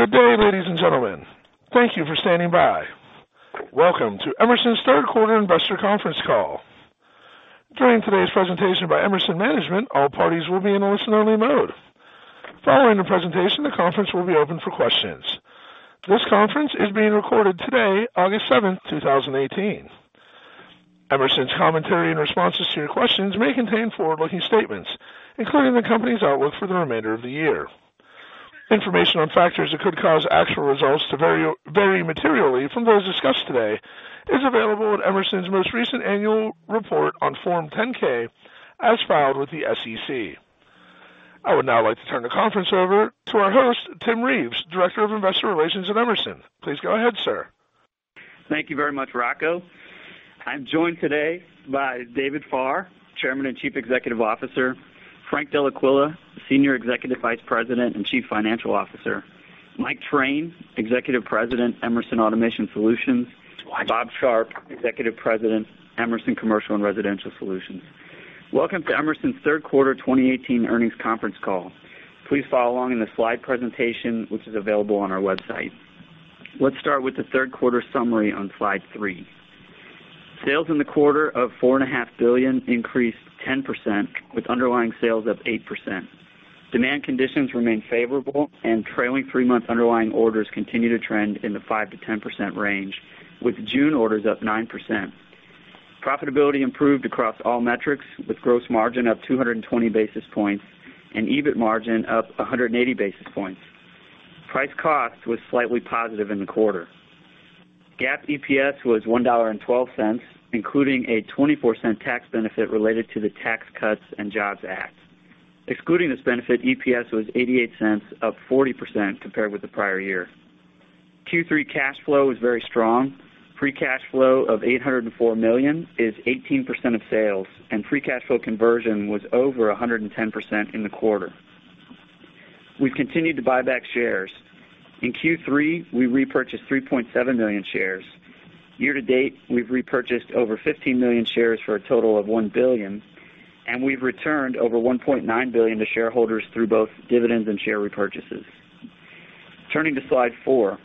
Good day, ladies and gentlemen. Thank you for standing by. Welcome to Emerson's third quarter investor conference call. During today's presentation by Emerson management, all parties will be in a listen-only mode. Following the presentation, the conference will be open for questions. This conference is being recorded today, August 7, 2018. Emerson's commentary and responses to your questions may contain forward-looking statements, including the company's outlook for the remainder of the year. Information on factors that could cause actual results to vary materially from those discussed today is available in Emerson's most recent annual report on Form 10-K as filed with the SEC. I would now like to turn the conference over to our host, Timothy Reeves, Director of Investor Relations at Emerson. Please go ahead, sir. Thank you very much, Rocco. I'm joined today by David Farr, Chairman and Chief Executive Officer; Frank Dellaquila, Senior Executive Vice President and Chief Financial Officer; Mike Train, Executive President, Emerson Automation Solutions; Bob Sharp, Executive President, Emerson Commercial & Residential Solutions. Welcome to Emerson's third quarter 2018 earnings conference call. Please follow along in the slide presentation, which is available on our website. Let's start with the third quarter summary on slide three. Sales in the quarter of $4.5 billion increased 10%, with underlying sales up 8%. Trailing three-month underlying orders continue to trend in the 5%-10% range, with June orders up 9%. Profitability improved across all metrics, with gross margin up 220 basis points and EBIT margin up 180 basis points. Price cost was slightly positive in the quarter. GAAP EPS was $1.12, including a $0.24 tax benefit related to the Tax Cuts and Jobs Act. Excluding this benefit, EPS was $0.88, up 40% compared with the prior year. Q3 cash flow was very strong. Free cash flow of $804 million is 18% of sales, and free cash flow conversion was over 110% in the quarter. We've continued to buy back shares. In Q3, we repurchased 3.7 million shares. Year-to-date, we've repurchased over 15 million shares for a total of $1 billion, and we've returned over $1.9 billion to shareholders through both dividends and share repurchases. Turning to slide four.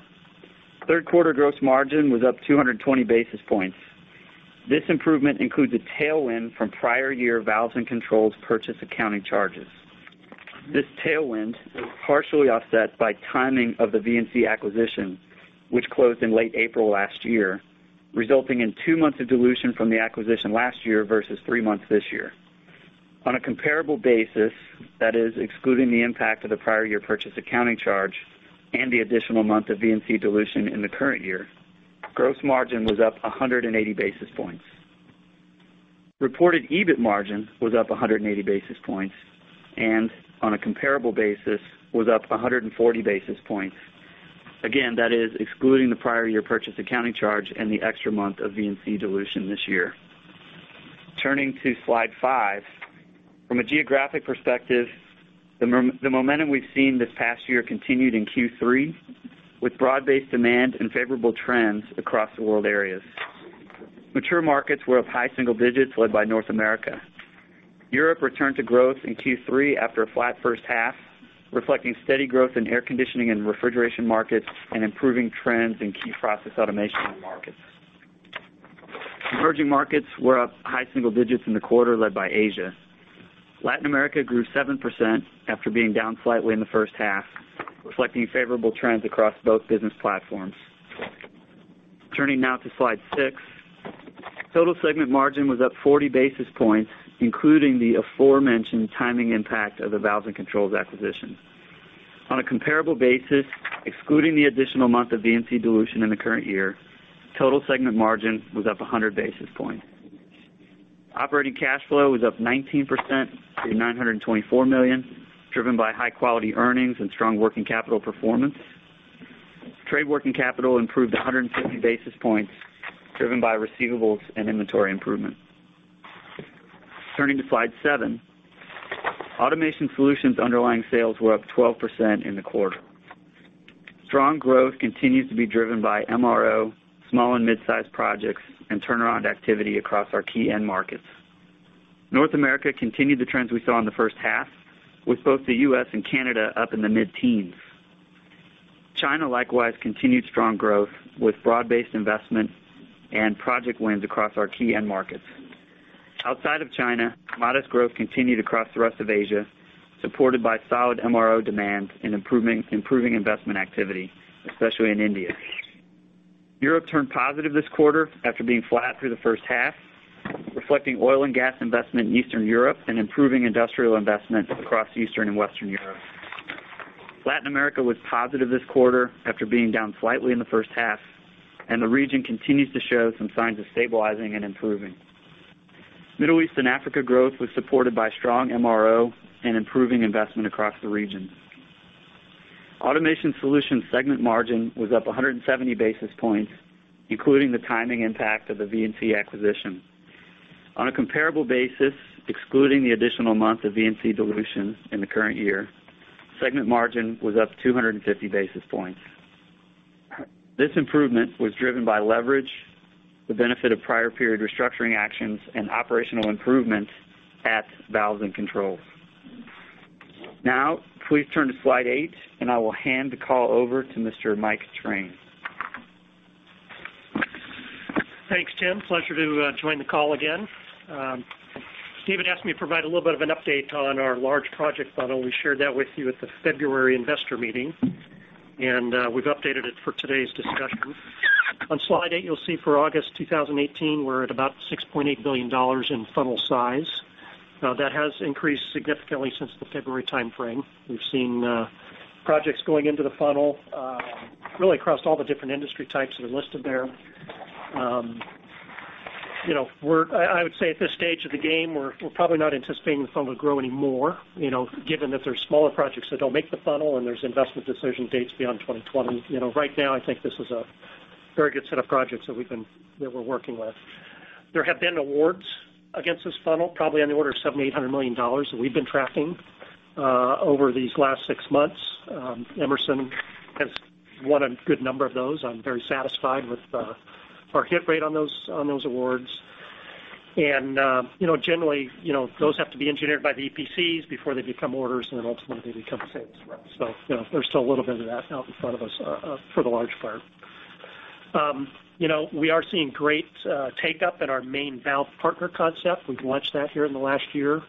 Third quarter gross margin was up 220 basis points. This improvement includes a tailwind from prior year Valves & Controls purchase accounting charges. This tailwind is partially offset by timing of the VNC acquisition, which closed in late April last year, resulting in two months of dilution from the acquisition last year versus three months this year. On a comparable basis, that is excluding the impact of the prior year purchase accounting charge and the additional month of VNC dilution in the current year, gross margin was up 180 basis points. Reported EBIT margin was up 180 basis points and on a comparable basis was up 140 basis points. Again, that is excluding the prior year purchase accounting charge and the extra month of VNC dilution this year. Turning to slide five. From a geographic perspective, the momentum we've seen this past year continued in Q3 with broad-based demand and favorable trends across the world areas. Mature markets were up high single digits led by North America. Europe returned to growth in Q3 after a flat first half, reflecting steady growth in air conditioning and refrigeration markets and improving trends in key process automation markets. Emerging markets were up high single-digits in the quarter led by Asia. Latin America grew 7% after being down slightly in the first half, reflecting favorable trends across both business platforms. Turning now to slide six. Total segment margin was up 40 basis points, including the aforementioned timing impact of the Valves and Controls acquisition. On a comparable basis, excluding the additional month of VNC dilution in the current year, total segment margin was up 100 basis points. Operating cash flow was up 19% to $924 million, driven by high-quality earnings and strong working capital performance. Trade working capital improved 150 basis points, driven by receivables and inventory improvement. Turning to slide seven. Automation Solutions underlying sales were up 12% in the quarter. Strong growth continues to be driven by MRO, small and midsize projects, and turnaround activity across our key end markets. North America continued the trends we saw in the first half, with both the U.S. and Canada up in the mid-teens. China likewise continued strong growth with broad-based investment and project wins across our key end markets. Outside of China, modest growth continued across the rest of Asia, supported by solid MRO demand and improving investment activity, especially in India. Europe turned positive this quarter after being flat through the first half, reflecting oil and gas investment in Eastern Europe and improving industrial investment across Eastern and Western Europe. Latin America was positive this quarter after being down slightly in the first half. The region continues to show some signs of stabilizing and improving. Middle East and Africa growth was supported by strong MRO and improving investment across the region. Automation Solutions segment margin was up 170 basis points, including the timing impact of the VNC acquisition. On a comparable basis, excluding the additional month of VNC dilution in the current year, segment margin was up 250 basis points. This improvement was driven by leverage, the benefit of prior period restructuring actions, and operational improvements at Valves and Controls. Please turn to slide eight, and I will hand the call over to Mr. Mike Train. Thanks, Tim. Pleasure to join the call again. Steve had asked me to provide a little bit of an update on our large project funnel. We shared that with you at the February investor meeting. We've updated it for today's discussion. On slide eight, you'll see for August 2018, we're at about $6.8 billion in funnel size. That has increased significantly since the February timeframe. We've seen projects going into the funnel really across all the different industry types that are listed there. I would say at this stage of the game, we're probably not anticipating the funnel to grow any more, given that there's smaller projects that don't make the funnel and there's investment decision dates beyond 2020. Right now, I think this is a very good set of projects that we're working with. There have been awards against this funnel, probably on the order of $700 million-$800 million that we've been tracking over these last six months. Emerson has won a good number of those. I'm very satisfied with our hit rate on those awards. Generally, those have to be engineered by the EPCs before they become orders, and then ultimately, they become sales reps. There's still a little bit of that out in front of us for the large part. We are seeing great take-up in our Main Valve Partner concept. We've launched that here in the last year,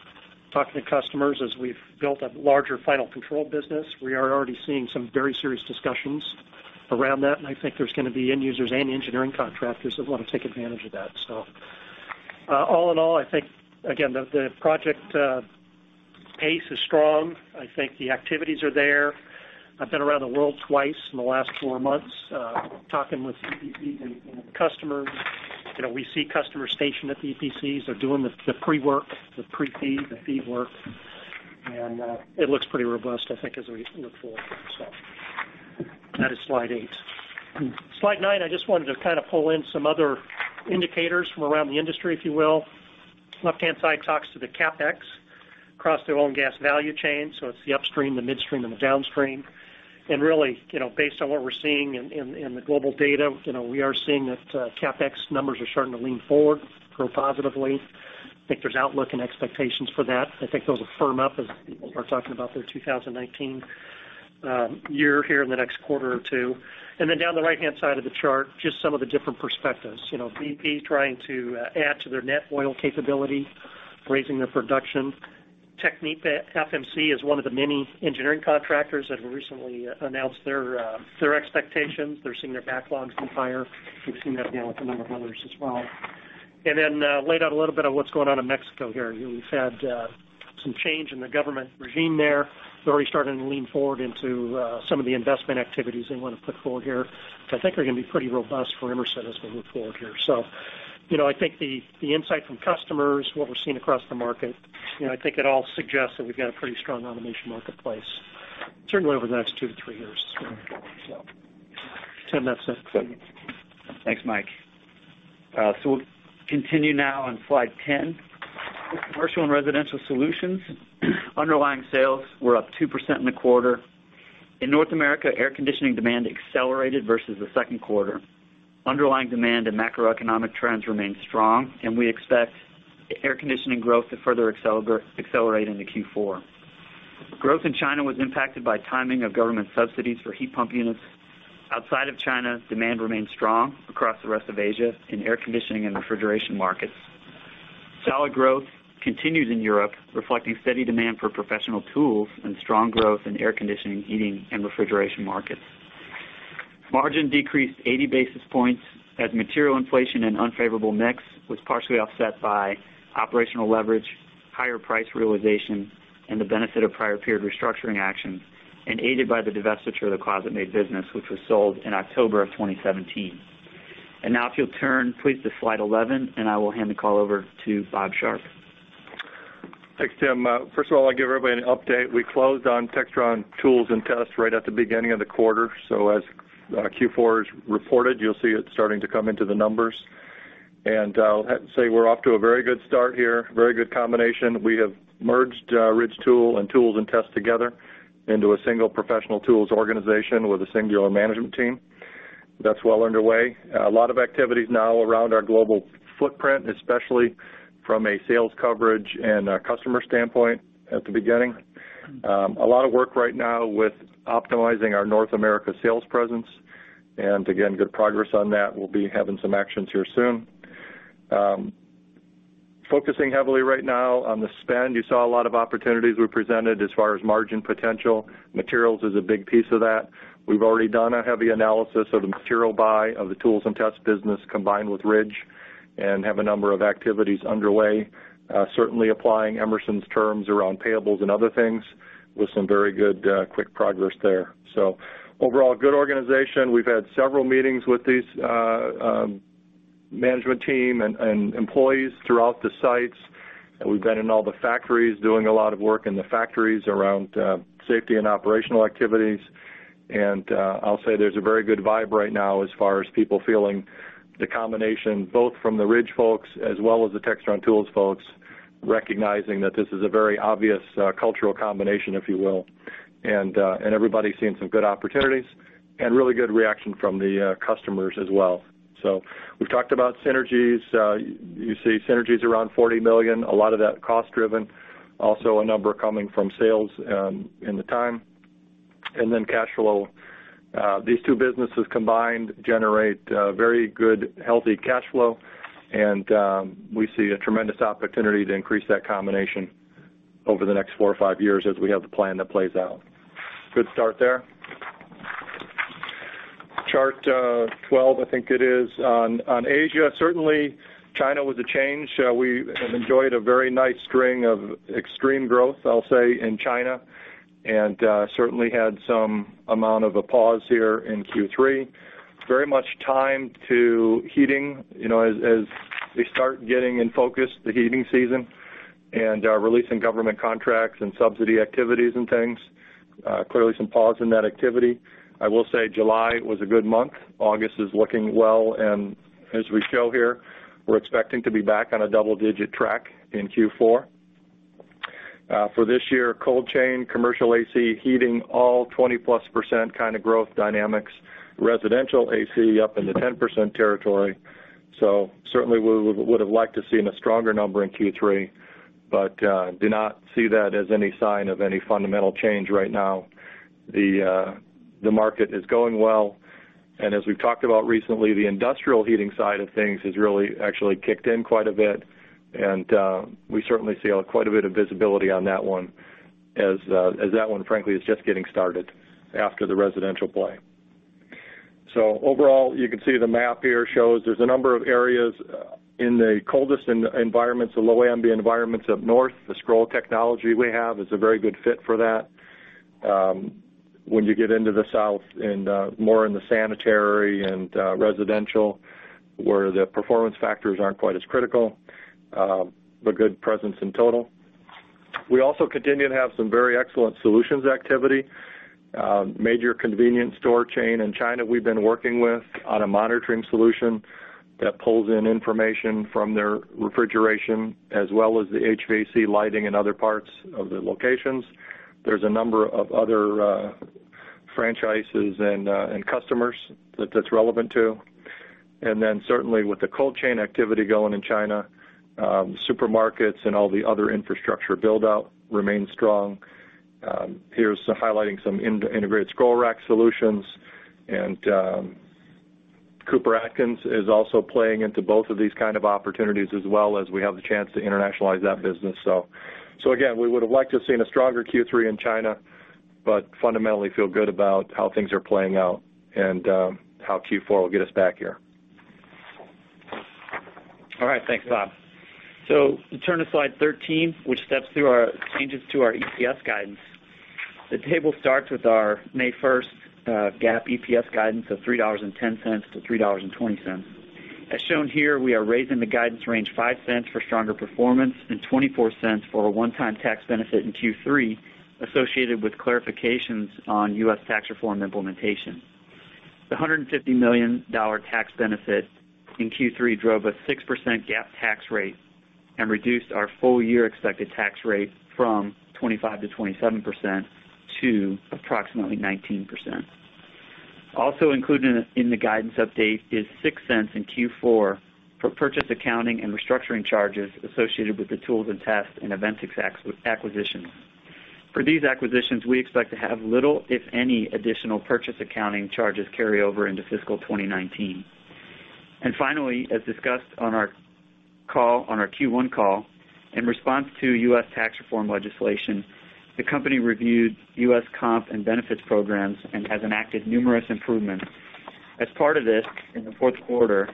talking to customers as we've built a larger final control business. We are already seeing some very serious discussions around that, I think there's going to be end users and engineering contractors that want to take advantage of that. All in all, I think, again, the project pace is strong. I think the activities are there. I've been around the world twice in the last four months, talking with EPCs and customers. We see customers stationed at the EPCs. They're doing the pre-work, the Pre-FEED, the FEED work, it looks pretty robust, I think, as we look forward. That is slide eight. Slide nine, I just wanted to kind of pull in some other indicators from around the industry, if you will. Left-hand side talks to the CapEx across the oil and gas value chain, it's the upstream, the midstream, and the downstream. Really, based on what we're seeing in the global data, we are seeing that CapEx numbers are starting to lean forward, grow positively. I think there's outlook and expectations for that. I think those will firm up as people are talking about their 2019 year here in the next quarter or two. Then down the right-hand side of the chart, just some of the different perspectives. BP trying to add to their net oil capability, raising their production. TechnipFMC is one of the many engineering contractors that have recently announced their expectations. They're seeing their backlogs come higher. We've seen that now with a number of others as well. Then laid out a little bit of what's going on in Mexico here. We've had some change in the government regime there. They're already starting to lean forward into some of the investment activities they want to put forward here, which I think are going to be pretty robust for Emerson as we move forward here. I think the insight from customers, what we're seeing across the market, I think it all suggests that we've got a pretty strong automation marketplace, certainly over the next two to three years as we move forward. Tim, that's it. Thanks, Mike. We'll continue now on slide 10. With Commercial & Residential Solutions, underlying sales were up 2% in the quarter. In North America, air conditioning demand accelerated versus the second quarter. Underlying demand and macroeconomic trends remained strong, and we expect air conditioning growth to further accelerate into Q4. Growth in China was impacted by timing of government subsidies for heat pump units. Outside of China, demand remained strong across the rest of Asia in air conditioning and refrigeration markets. Solid growth continues in Europe, reflecting steady demand for professional tools and strong growth in air conditioning, heating, and refrigeration markets. Margin decreased 80 basis points as material inflation and unfavorable mix was partially offset by operational leverage, higher price realization, and the benefit of prior period restructuring actions, and aided by the divestiture of the ClosetMaid business, which was sold in October of 2017. Now if you'll turn please to slide 11, and I will hand the call over to Bob Sharp. Thanks, Tim. First of all, I'll give everybody an update. We closed on Textron Tools & Test right at the beginning of the quarter. As Q4 is reported, you'll see it starting to come into the numbers. I'll say we're off to a very good start here. Very good combination. We have merged Ridge Tool and Tools & Test together into a single professional tools organization with a singular management team. That's well underway. A lot of activities now around our global footprint, especially from a sales coverage and a customer standpoint at the beginning. A lot of work right now with optimizing our North America sales presence. Again, good progress on that. We'll be having some actions here soon. Focusing heavily right now on the spend. You saw a lot of opportunities we presented as far as margin potential. Materials is a big piece of that. We've already done a heavy analysis of the material buy of the Tools & Test business combined with Ridge and have a number of activities underway. Certainly applying Emerson's terms around payables and other things with some very good quick progress there. Overall, good organization. We've had several meetings with these management team and employees throughout the sites. We've been in all the factories doing a lot of work in the factories around safety and operational activities. I'll say there's a very good vibe right now as far as people feeling the combination, both from the Ridge folks as well as the Textron Tools folks recognizing that this is a very obvious cultural combination, if you will. Everybody's seeing some good opportunities and really good reaction from the customers as well. We've talked about synergies. You see synergies around $40 million, a lot of that cost-driven. A number coming from sales in the time, and then cash flow. These two businesses combined generate very good, healthy cash flow, and we see a tremendous opportunity to increase that combination over the next four or five years as we have the plan that plays out. Good start there. Chart 12, I think it is, on Asia. China was a change. We have enjoyed a very nice string of extreme growth, I'll say, in China, and certainly had some amount of a pause here in Q3. Very much timed to heating, as we start getting in focus the heating season and releasing government contracts and subsidy activities and things. Some pause in that activity. I will say July was a good month. August is looking well, and as we show here, we're expecting to be back on a double-digit track in Q4. For this year, cold chain, commercial AC, heating, all 20+% kind of growth dynamics. Residential AC up in the 10% territory. Certainly, we would have liked to seen a stronger number in Q3, but do not see that as any sign of any fundamental change right now. The market is going well, and as we've talked about recently, the industrial heating side of things has really actually kicked in quite a bit, and we certainly see quite a bit of visibility on that one as that one, frankly, is just getting started after the residential play. Overall, you can see the map here shows there's a number of areas in the coldest environments, the low ambient environments up north. The scroll technology we have is a very good fit for that. When you get into the south and more in the sanitary and residential, where the performance factors aren't quite as critical, but good presence in total. We also continue to have some very excellent solutions activity. Major convenience store chain in China we've been working with on a monitoring solution that pulls in information from their refrigeration as well as the HVAC lighting in other parts of the locations. There's a number of other franchises and customers that that's relevant to. Certainly with the cold chain activity going in China, supermarkets and all the other infrastructure build-out remain strong. Here's highlighting some integrated scroll rack solutions. Cooper-Atkins is also playing into both of these kind of opportunities as well, as we have the chance to internationalize that business. Again, we would have liked to have seen a stronger Q3 in China, but fundamentally feel good about how things are playing out and how Q4 will get us back here. All right. Thanks, Bob. Turn to slide 13, which steps through our changes to our EPS guidance. The table starts with our May 1st GAAP EPS guidance of $3.10 to $3.20. As shown here, we are raising the guidance range $0.05 for stronger performance and $0.24 for a one-time tax benefit in Q3 associated with clarifications on U.S. tax reform implementation. The $150 million tax benefit in Q3 drove a 6% GAAP tax rate and reduced our full-year expected tax rate from 25%-27% to approximately 19%. Also included in the guidance update is $0.06 in Q4 for purchase accounting and restructuring charges associated with the Tools & Test and Aventics acquisitions. For these acquisitions, we expect to have little, if any, additional purchase accounting charges carry over into fiscal 2019. Finally, as discussed on our Q1 call, in response to U.S. tax reform legislation, the company reviewed U.S. comp and benefits programs and has enacted numerous improvements. As part of this, in the fourth quarter,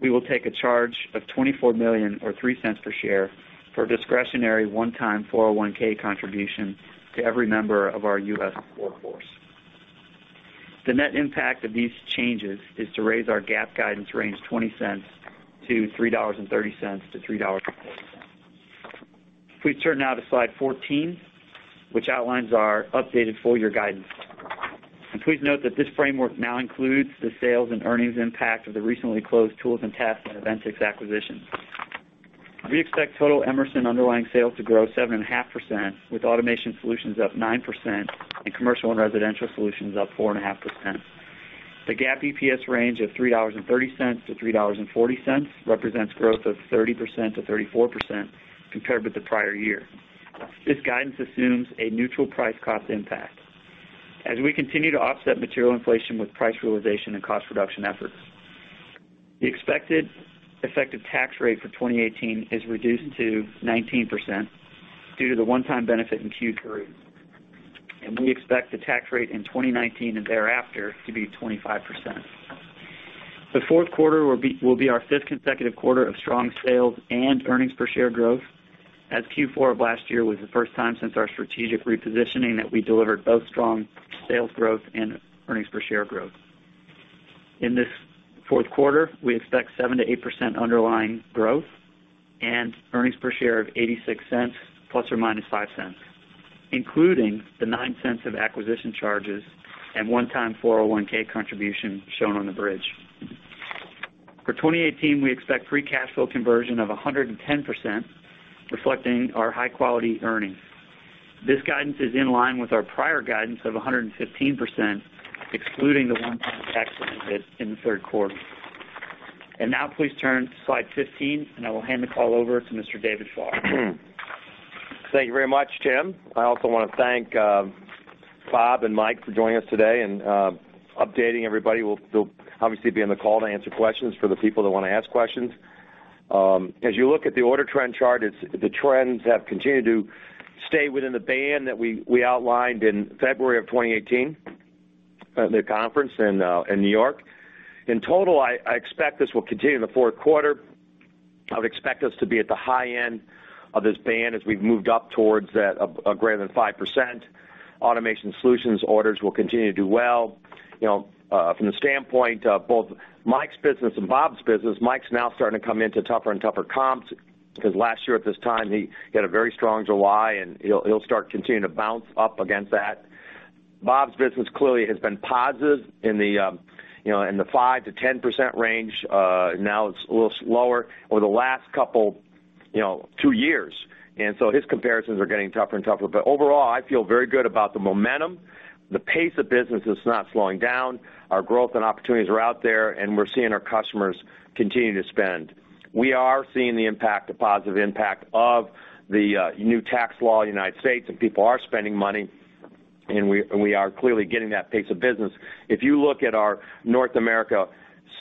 we will take a charge of $24 million or $0.03 per share for a discretionary one-time 401 contribution to every member of our U.S. workforce. The net impact of these changes is to raise our GAAP guidance range $0.20 to $3.30 to $3.40. We turn now to slide 14, which outlines our updated full-year guidance. Please note that this framework now includes the sales and earnings impact of the recently closed Tools & Test and Aventics acquisitions. We expect total Emerson underlying sales to grow 7.5%, with Automation Solutions up 9% and Commercial & Residential Solutions up 4.5%. The GAAP EPS range of $3.30 to $3.40 represents growth of 30%-34% compared with the prior year. This guidance assumes a neutral price cost impact as we continue to offset material inflation with price realization and cost reduction efforts. The expected effective tax rate for 2018 is reduced to 19% due to the one-time benefit in Q3, and we expect the tax rate in 2019 and thereafter to be 25%. The fourth quarter will be our fifth consecutive quarter of strong sales and earnings per share growth as Q4 of last year was the first time since our strategic repositioning that we delivered both strong sales growth and earnings per share growth. In this fourth quarter, we expect 7%-8% underlying growth and earnings per share of $0.86 ±$0.05, including the $0.09 of acquisition charges and one-time 401 contribution shown on the bridge. For 2018, we expect free cash flow conversion of 110%, reflecting our high-quality earnings. This guidance is in line with our prior guidance of 115%, excluding the one-time tax benefit in the third quarter. Now please turn to slide 15, I will hand the call over to Mr. David Farr. Thank you very much, Tim. I also want to thank Bob and Mike for joining us today and updating everybody. They'll obviously be on the call to answer questions for the people that want to ask questions. As you look at the order trend chart, the trends have continued to stay within the band that we outlined in February of 2018 at the conference in New York. In total, I expect this will continue in the fourth quarter. I would expect us to be at the high end of this band as we've moved up towards that greater than 5%. Emerson Automation Solutions orders will continue to do well. From the standpoint of both Mike's business and Bob's business, Mike's now starting to come into tougher and tougher comps, because last year at this time, he had a very strong July, and he'll start continuing to bounce up against that. Bob's business clearly has been positive in the 5%-10% range. It's a little slower over the last two years, and so his comparisons are getting tougher and tougher. Overall, I feel very good about the momentum. The pace of business is not slowing down. Our growth and opportunities are out there, and we're seeing our customers continue to spend. We are seeing the positive impact of the new Tax Law in the U.S., and people are spending money, and we are clearly getting that pace of business. If you look at our North America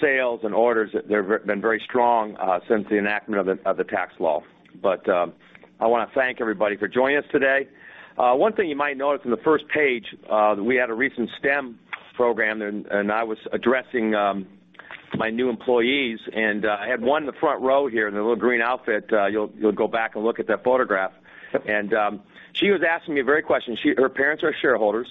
sales and orders, they've been very strong since the enactment of the Tax Law. I want to thank everybody for joining us today. One thing you might notice on the first page, that we had a recent STEM program, and I was addressing my new employees, and I had one in the front row here in the little green outfit. You'll go back and look at that photograph. She was asking me a great question. Her parents are shareholders,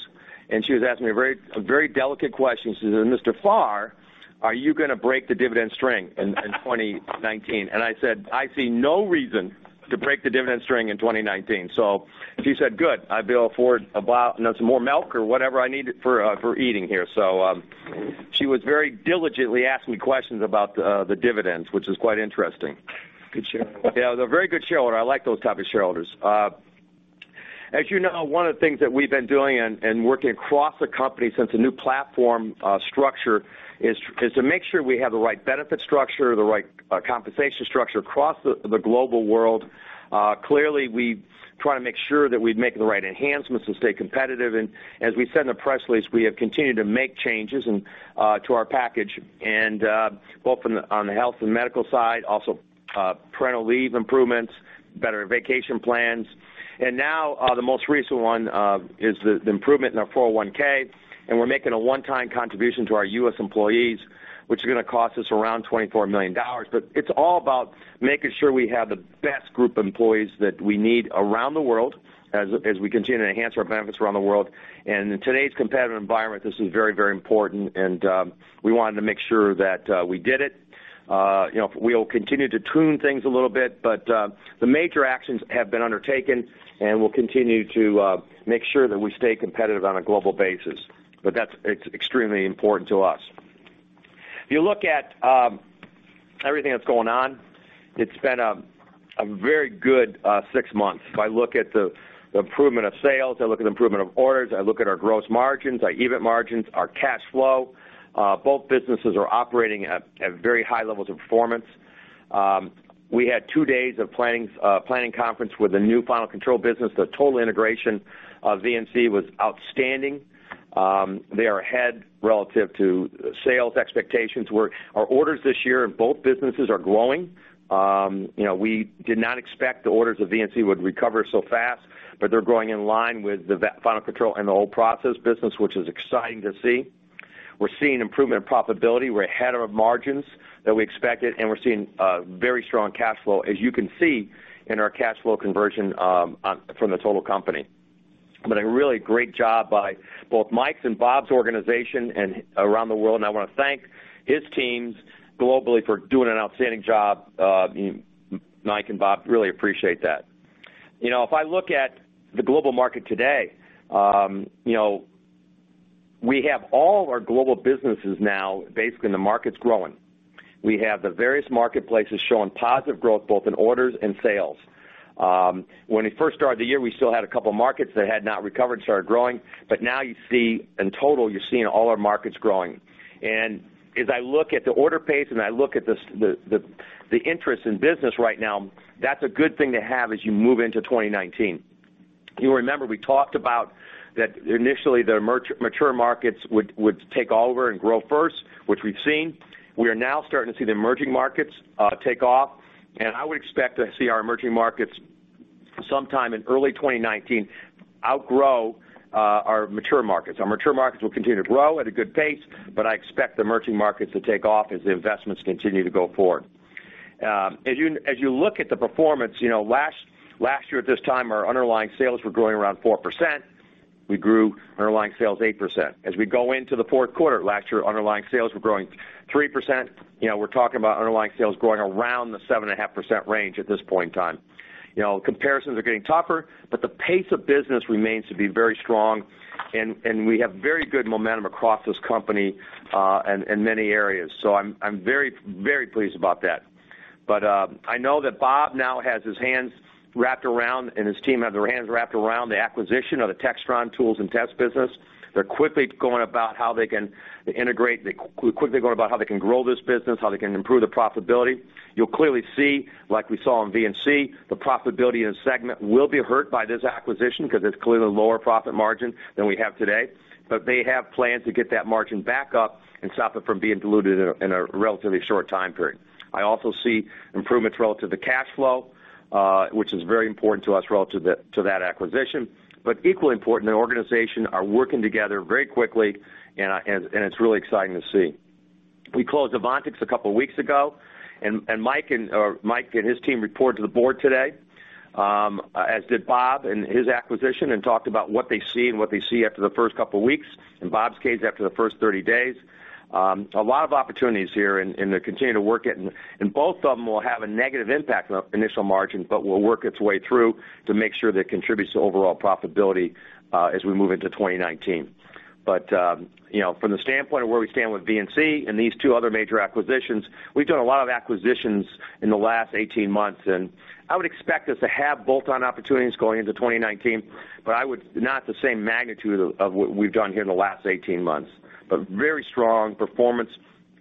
and she was asking me a very delicate question. She said, "Mr. Farr, are you going to break the dividend string in 2019?" I said, "I see no reason to break the dividend string in 2019." She said, "Good. I'll be able to afford some more milk" or whatever I needed for eating here. She was very diligently asking me questions about the dividends, which is quite interesting. Good shareholder. Yeah, a very good shareholder. I like those type of shareholders. As you know, one of the things that we've been doing and working across the company since the new platform structure is to make sure we have the right benefit structure, the right compensation structure across the global world. Clearly, we try to make sure that we make the right enhancements to stay competitive. As we said in the press release, we have continued to make changes to our package, both on the health and medical side, also parental leave improvements, better vacation plans. Now, the most recent one is the improvement in our 401(k), and we're making a one-time contribution to our U.S. employees, which is going to cost us around $24 million. It's all about making sure we have the best group of employees that we need around the world as we continue to enhance our benefits around the world. In today's competitive environment, this is very important, and we wanted to make sure that we did it. We'll continue to tune things a little bit, but the major actions have been undertaken, and we'll continue to make sure that we stay competitive on a global basis. It's extremely important to us. If you look at everything that's going on, it's been a very good six months. If I look at the improvement of sales, I look at the improvement of orders, I look at our gross margins, our EBIT margins, our cash flow. Both businesses are operating at very high levels of performance. We had two days of planning conference with the new final control business. The total integration of VNC was outstanding. They are ahead relative to sales expectations. Our orders this year in both businesses are growing. We did not expect the orders of VNC would recover so fast, but they're growing in line with the final control and the whole process business, which is exciting to see. We're seeing improvement in profitability. We're ahead of margins that we expected, and we're seeing very strong cash flow, as you can see in our cash flow conversion from the total company. A really great job by both Mike's and Bob's organization around the world, and I want to thank his teams globally for doing an outstanding job. Mike and Bob really appreciate that. If I look at the global market today, we have all of our global businesses now basically in the markets growing. We have the various marketplaces showing positive growth, both in orders and sales. When we first started the year, we still had a couple of markets that had not recovered and started growing, but now you see in total, you're seeing all our markets growing. As I look at the order pace and I look at the interest in business right now, that's a good thing to have as you move into 2019. You remember, we talked about that initially the mature markets would take over and grow first, which we've seen. We are now starting to see the emerging markets take off, and I would expect to see our emerging markets sometime in early 2019 outgrow our mature markets. Our mature markets will continue to grow at a good pace, but I expect the emerging markets to take off as the investments continue to go forward. As you look at the performance, last year at this time, our underlying sales were growing around 4%. We grew underlying sales 8%. As we go into the fourth quarter, last year, underlying sales were growing 3%. We're talking about underlying sales growing around the 7.5% range at this point in time. Comparisons are getting tougher, the pace of business remains to be very strong, and we have very good momentum across this company in many areas. I'm very pleased about that. I know that Bob now has his hands wrapped around, and his team have their hands wrapped around the acquisition of the Textron Tools & Test business. They're quickly going about how they can integrate. They're quickly going about how they can grow this business, how they can improve the profitability. You'll clearly see, like we saw in VNC, the profitability in the segment will be hurt by this acquisition because it's clearly lower profit margin than we have today. They have plans to get that margin back up and stop it from being diluted in a relatively short time period. I also see improvements relative to cash flow, which is very important to us relative to that acquisition. Equally important, the organization are working together very quickly, and it's really exciting to see. We closed Aventics a couple of weeks ago, and Mike and his team report to the board today, as did Bob and his acquisition, and talked about what they see and what they see after the first couple of weeks. In Bob's case, after the first 30 days. A lot of opportunities here, and they're continuing to work it. Both of them will have a negative impact on initial margins, but will work its way through to make sure that it contributes to overall profitability as we move into 2019. From the standpoint of where we stand with VNC and these two other major acquisitions, we've done a lot of acquisitions in the last 18 months, and I would expect us to have bolt-on opportunities going into 2019. Not the same magnitude of what we've done here in the last 18 months. Very strong performance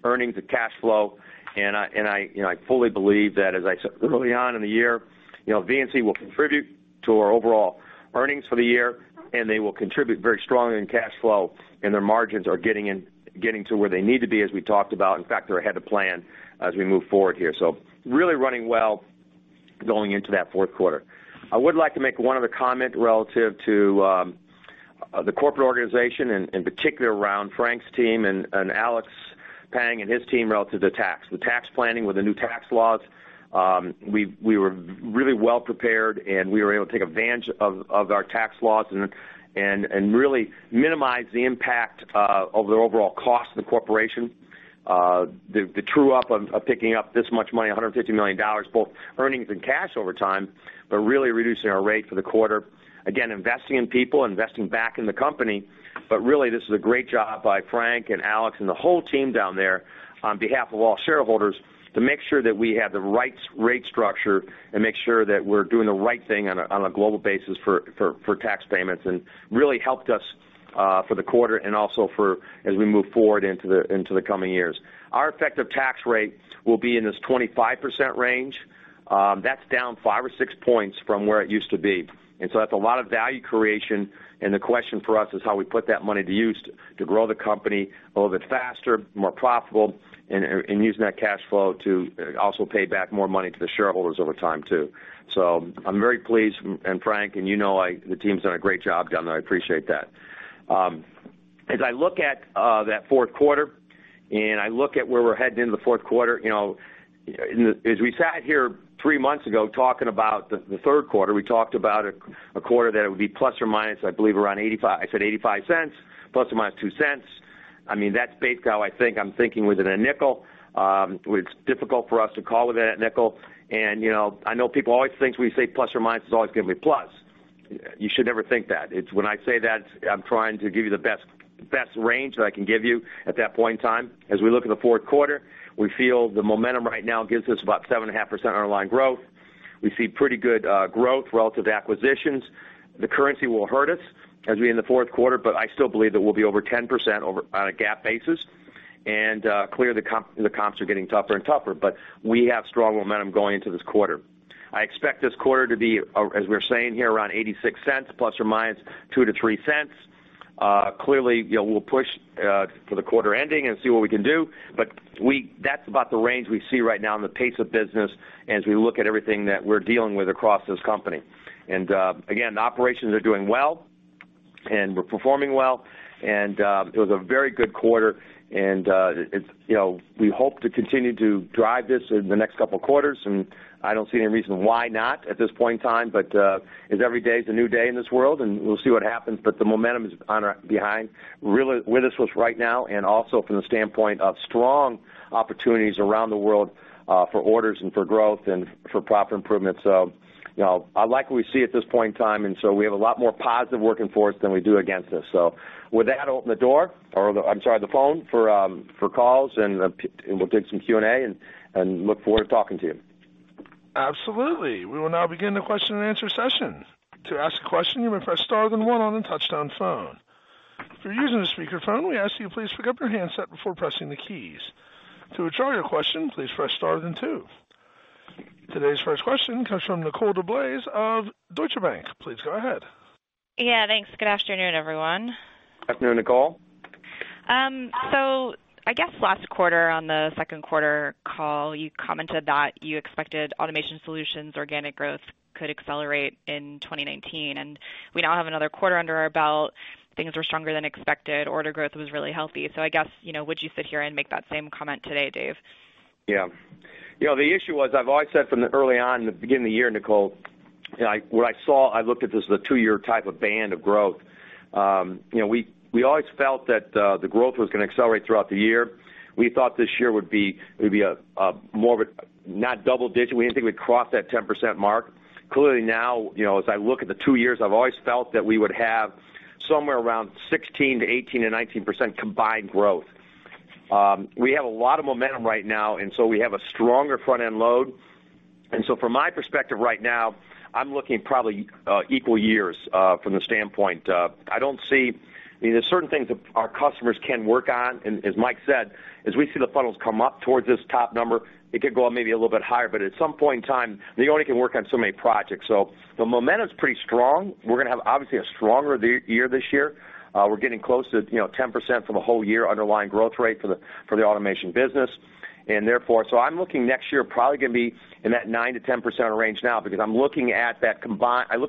earnings and cash flow, and I fully believe that, as I said early on in the year, VNC will contribute to our overall earnings for the year, and they will contribute very strongly in cash flow, and their margins are getting to where they need to be, as we talked about. In fact, they're ahead of plan as we move forward here. Really running well going into that fourth quarter. I would like to make one other comment relative to the corporate organization, and in particular, around Frank's team and Alex Pang and his team relative to tax. The tax planning with the new tax laws. We were really well prepared, and we were able to take advantage of our tax laws and really minimize the impact of the overall cost of the corporation. The true-up of picking up this much money, $150 million, both earnings and cash over time, but really reducing our rate for the quarter. Again, investing in people, investing back in the company. Really, this is a great job by Frank and Alex and the whole team down there on behalf of all shareholders, to make sure that we have the right rate structure and make sure that we're doing the right thing on a global basis for tax payments, and really helped us for the quarter and also as we move forward into the coming years. Our effective tax rate will be in this 25% range. That's down 5 or 6 points from where it used to be. That's a lot of value creation, and the question for us is how we put that money to use to grow the company a little bit faster, more profitable, and using that cash flow to also pay back more money to the shareholders over time, too. I'm very pleased. Frank, you know the team's done a great job down there. I appreciate that. As I look at that fourth quarter, and I look at where we're heading into the fourth quarter. As we sat here 3 months ago talking about the third quarter, we talked about a quarter that it would be plus or minus, I believe around $0.85. I said $0.85, ±$0.02. That's basically how I think. I'm thinking within $0.05. It's difficult for us to call within $0.05. I know people always think we say plus or minus, it's always going to be plus. You should never think that. When I say that, I'm trying to give you the best range that I can give you at that point in time. We look at the fourth quarter, we feel the momentum right now gives us about 7.5% underlying growth. We see pretty good growth relative to acquisitions. The currency will hurt us as we end the fourth quarter, but I still believe that we'll be over 10% on a GAAP basis. Clearly, the comps are getting tougher and tougher, but we have strong momentum going into this quarter. I expect this quarter to be, as we're saying here, around $0.86 ±$0.02-$0.03. Clearly, we'll push for the quarter ending and see what we can do. That's about the range we see right now in the pace of business as we look at everything that we're dealing with across this company. Again, the operations are doing well, and we're performing well, and it was a very good quarter, and we hope to continue to drive this over the next couple of quarters, and I don't see any reason why not at this point in time. As every day is a new day in this world, and we'll see what happens. The momentum is behind, really with us right now, and also from the standpoint of strong opportunities around the world for orders and for growth and for profit improvements. I like what we see at this point in time, and so we have a lot more positive working for us than we do against us. With that, I'll open the door, or I'm sorry, the phone for calls, and we'll take some Q&A, and look forward to talking to you. Absolutely. We will now begin the question and answer session. To ask a question, you may press star then one on a touch-tone phone. If you're using a speakerphone, we ask you to please pick up your handset before pressing the keys. To withdraw your question, please press star then two. Today's first question comes from Nicole DeBlase of Deutsche Bank. Please go ahead. Yeah, thanks. Good afternoon, everyone. Afternoon, Nicole. I guess last quarter, on the second quarter call, you commented that you expected Automation Solutions organic growth could accelerate in 2019, and we now have another quarter under our belt. Things were stronger than expected. Order growth was really healthy. I guess, would you sit here and make that same comment today, Dave? Yeah. The issue was, I've always said from early on in the beginning of the year, Nicole, what I saw, I looked at this as a 2-year type of band of growth. We always felt that the growth was going to accelerate throughout the year. We thought this year would be more of a not double-digit. We didn't think we'd cross that 10% mark. Clearly now, as I look at the two years, I've always felt that we would have somewhere around 16% to 18% and 19% combined growth. We have a lot of momentum right now, so we have a stronger front-end load. From my perspective right now, I'm looking probably equal years from the standpoint of, I don't see-- there's certain things that our customers can work on, as Mike said, as we see the funnels come up towards this top number, it could go up maybe a little bit higher, but at some point in time, they only can work on so many projects. The momentum's pretty strong. We're going to have, obviously, a stronger year this year. We're getting close to 10% for the whole year underlying growth rate for the automation business. I'm looking next year, probably going to be in that 9-10% range now because I look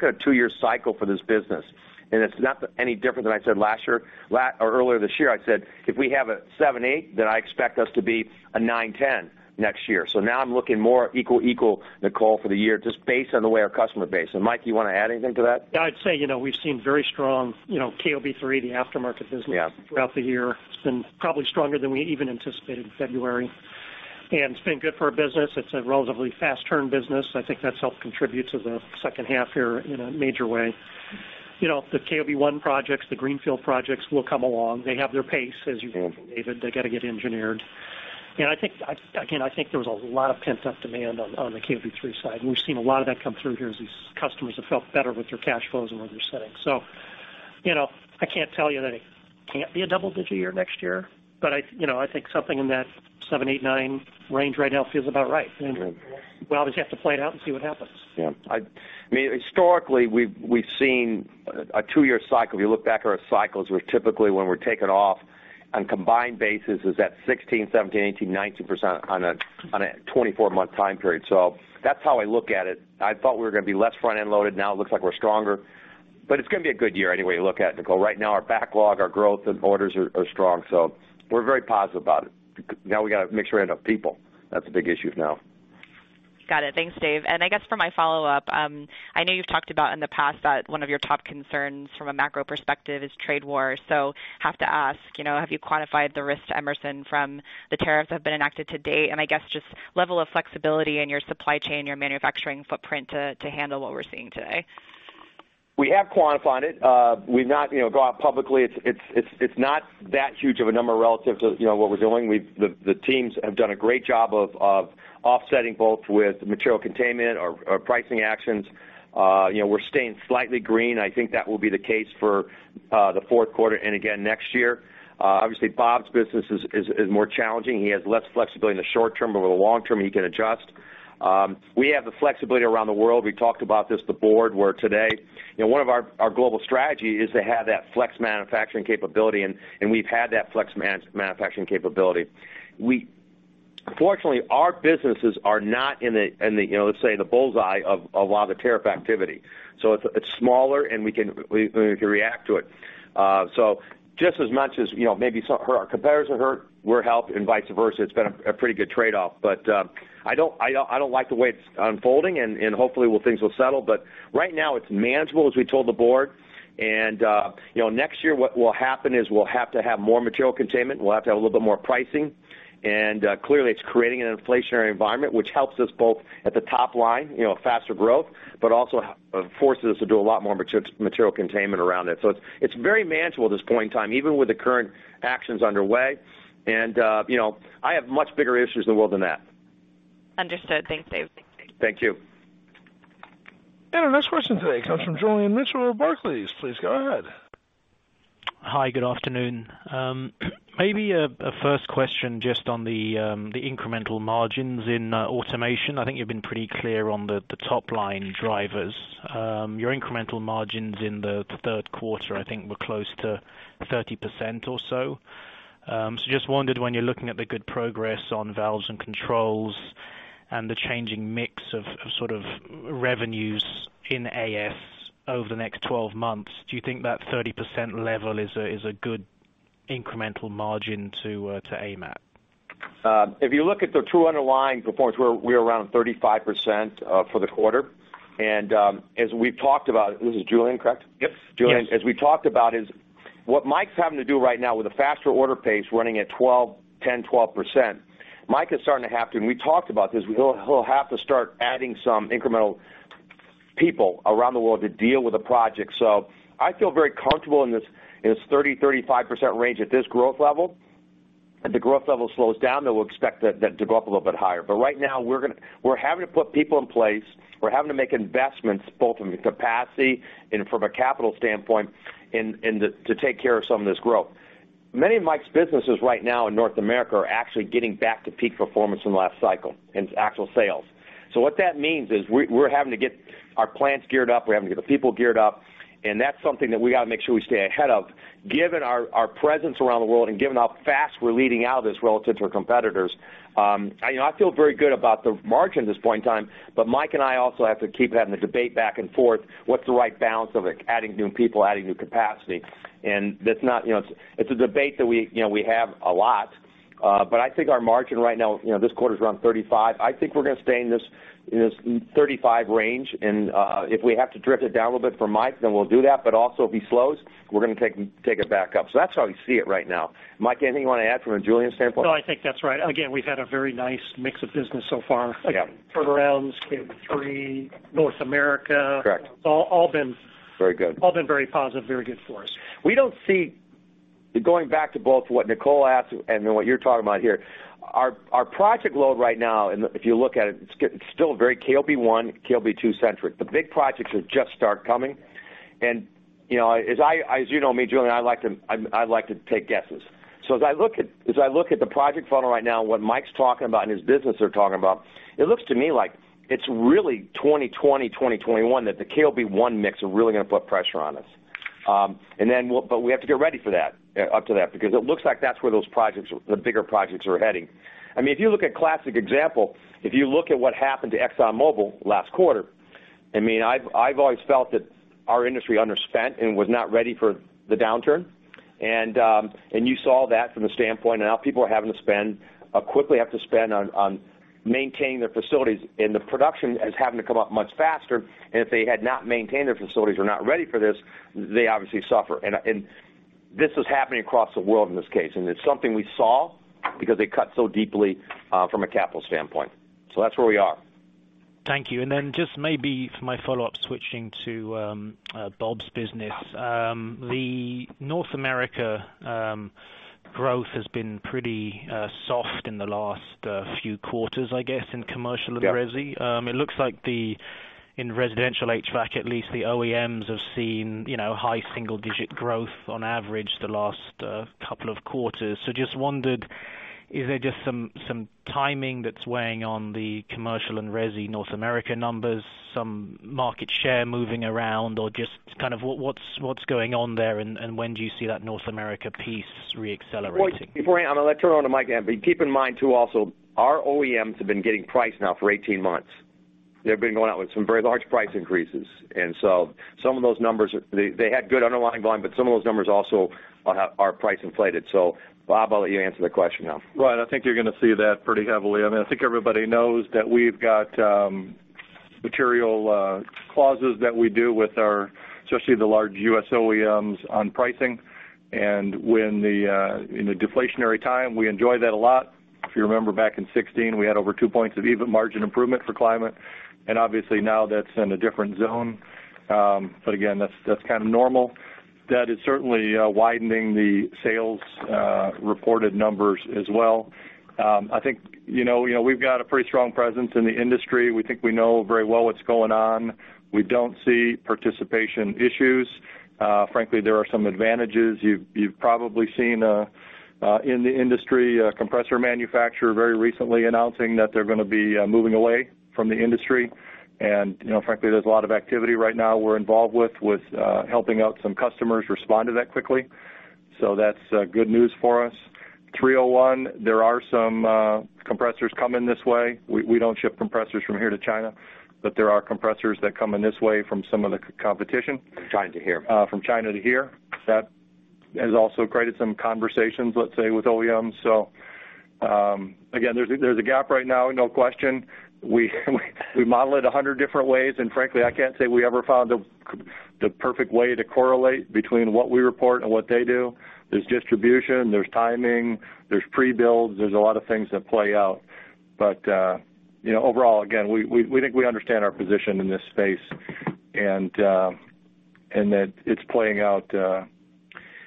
at a two-year cycle for this business, and it's not any different than I said last year or earlier this year. I said, "If we have a seven, eight, then I expect us to be a nine, 10 next year." Now I'm looking more equal-equal, Nicole, for the year, just based on the way our customer base. Mike, do you want to add anything to that? Yeah, I'd say, we've seen very strong KOB3, the aftermarket business- Yeah throughout the year. It's been probably stronger than we even anticipated in February. It's been good for our business. It's a relatively fast turn business. I think that's helped contribute to the second half here in a major way. The KOB1 projects, the greenfield projects will come along. They have their pace, as you pointed out, David. They got to get engineered. Again, I think there was a lot of pent-up demand on the KOB3 side, and we've seen a lot of that come through here as these customers have felt better with their cash flows and where they're sitting. I can't tell you that it can't be a double-digit year next year, but I think something in that seven, eight, nine range right now feels about right. We'll obviously have to play it out and see what happens. Yeah. Historically, we've seen a two-year cycle. If you look back at our cycles, where typically when we're taking off on combined basis is at 16%, 17%, 18%, 19% on a 24-month time period. That's how I look at it. I thought we were going to be less front-end loaded. Now it looks like we're stronger. It's going to be a good year any way you look at it, Nicole. Right now, our backlog, our growth and orders are strong. We're very positive about it. Now we got to make sure we have enough people. That's the big issue now. Got it. Thanks, Dave. I guess for my follow-up, I know you've talked about in the past that one of your top concerns from a macro perspective is trade war. Have to ask, have you quantified the risk to Emerson from the tariffs that have been enacted to date? I guess just level of flexibility in your supply chain, your manufacturing footprint to handle what we're seeing today. We have quantified it. We've not gone out publicly. It's not that huge of a number relative to what we're doing. The teams have done a great job of offsetting both with material containment or pricing actions. We're staying slightly green. I think that will be the case for the fourth quarter and again next year. Obviously, Bob's business is more challenging. He has less flexibility in the short term, but over the long term, he can adjust. We have the flexibility around the world. We talked about this with the board. One of our global strategy is to have that flex manufacturing capability, and we've had that flex manufacturing capability. Fortunately, our businesses are not in the, let's say, the bullseye of a lot of the tariff activity. It's smaller, and we can react to it. Just as much as maybe some of our competitors are hurt, we're helped and vice versa. It's been a pretty good trade-off. I don't like the way it's unfolding, and hopefully things will settle. Right now, it's manageable, as we told the board. Next year, what will happen is we'll have to have more material containment. We'll have to have a little bit more pricing. Clearly, it's creating an inflationary environment, which helps us both at the top line, faster growth, but also forces us to do a lot more material containment around it. It's very manageable at this point in time, even with the current actions underway. I have much bigger issues in the world than that. Understood. Thanks, Dave. Thank you. Our next question today comes from Julian Mitchell of Barclays. Please go ahead. Hi, good afternoon. Maybe a first question just on the incremental margins in automation. I think you've been pretty clear on the top-line drivers. Your incremental margins in the third quarter, I think, were close to 30% or so. Just wondered when you're looking at the good progress on Valves & Controls and the changing mix of sort of revenues in AS over the next 12 months, do you think that 30% level is a good incremental margin to aim at? If you look at the true underlying performance, we're around 35% for the quarter. As we've talked about, this is Julian, correct? Yep. Yes. Julian, as we talked about is, what Mike's having to do right now with a faster order pace running at 10%-12%, Mike is starting to have to, and we talked about this, he'll have to start adding some incremental people around the world to deal with the projects. I feel very comfortable in this 30%-35% range at this growth level. If the growth level slows down, we'll expect that to go up a little bit higher. Right now, we're having to put people in place. We're having to make investments both in capacity and from a capital standpoint to take care of some of this growth. Many of Mike's businesses right now in North America are actually getting back to peak performance from the last cycle in actual sales. What that means is we're having to get our plants geared up. We're having to get the people geared up, and that's something that we got to make sure we stay ahead of, given our presence around the world and given how fast we're leading out of this relative to our competitors. I feel very good about the margin at this point in time, Mike and I also have to keep having the debate back and forth. What's the right balance of adding new people, adding new capacity? It's a debate that we have a lot. I think our margin right now, this quarter's around 35%. I think we're going to stay in this 35% range. If we have to drift it down a little bit for Mike, we'll do that. Also if he slows, we're going to take it back up. That's how we see it right now. Mike, anything you want to add from a Julian standpoint? No, I think that's right. Again, we've had a very nice mix of business so far. Yeah. Turnarounds, KOB3, North America. Correct. It's all been- Very good. It's all been very positive, very good for us. We don't see, going back to both what Nicole asked and what you're talking about here, our project load right now, if you look at it's still very KOB1, KOB2 centric. The big projects have just started coming. As you know me, Julian, I like to take guesses. As I look at the project funnel right now and what Mike's talking about and his business they're talking about, it looks to me like it's really 2020, 2021, that the KOB1 mix are really going to put pressure on us. We have to get ready for that, up to that, because it looks like that's where the bigger projects are heading. If you look at classic example, if you look at what happened to ExxonMobil last quarter, I've always felt that our industry underspent and was not ready for the downturn. You saw that from the standpoint of now people are having to spend, quickly have to spend on maintaining their facilities, the production is having to come up much faster. If they had not maintained their facilities or not ready for this, they obviously suffer. This is happening across the world in this case. It's something we saw because they cut so deeply from a capital standpoint. That's where we are. Thank you. Then just maybe for my follow-up, switching to Bob's business. The North America growth has been pretty soft in the last few quarters, I guess, in commercial and resi. Yeah. It looks like in residential HVAC, at least the OEMs have seen high single digit growth on average the last couple of quarters. Just wondered, is there just some timing that's weighing on the commercial and resi North America numbers, some market share moving around, or just kind of what's going on there and when do you see that North America piece re-accelerating? Before I turn it on to Mike, keep in mind too also, our OEMs have been getting price now for 18 months. They've been going out with some very large price increases. Some of those numbers, they had good underlying volume, but some of those numbers also are price inflated. Bob, I'll let you answer the question now. Right. I think you're going to see that pretty heavily. I think everybody knows that we've got material clauses that we do with our, especially the large U.S. OEMs on pricing. In a deflationary time, we enjoy that a lot. If you remember back in 2016, we had over two points of EBIT margin improvement for climate, and obviously now that's in a different zone. Again, that's kind of normal. That is certainly widening the sales reported numbers as well. I think we've got a pretty strong presence in the industry. We think we know very well what's going on. We don't see participation issues. Frankly, there are some advantages. You've probably seen in the industry a compressor manufacturer very recently announcing that they're going to be moving away from the industry. Frankly, there's a lot of activity right now we're involved with helping out some customers respond to that quickly. That's good news for us. 301, there are some compressors coming this way. We don't ship compressors from here to China, but there are compressors that come in this way from some of the competition. From China to here. From China to here. That has also created some conversations, let's say, with OEMs. Again, there's a gap right now, no question. We model it 100 different ways, and frankly, I can't say we ever found the perfect way to correlate between what we report and what they do. There's distribution, there's timing, there's pre-builds, there's a lot of things that play out. Overall, again, we think we understand our position in this space, and that it's playing out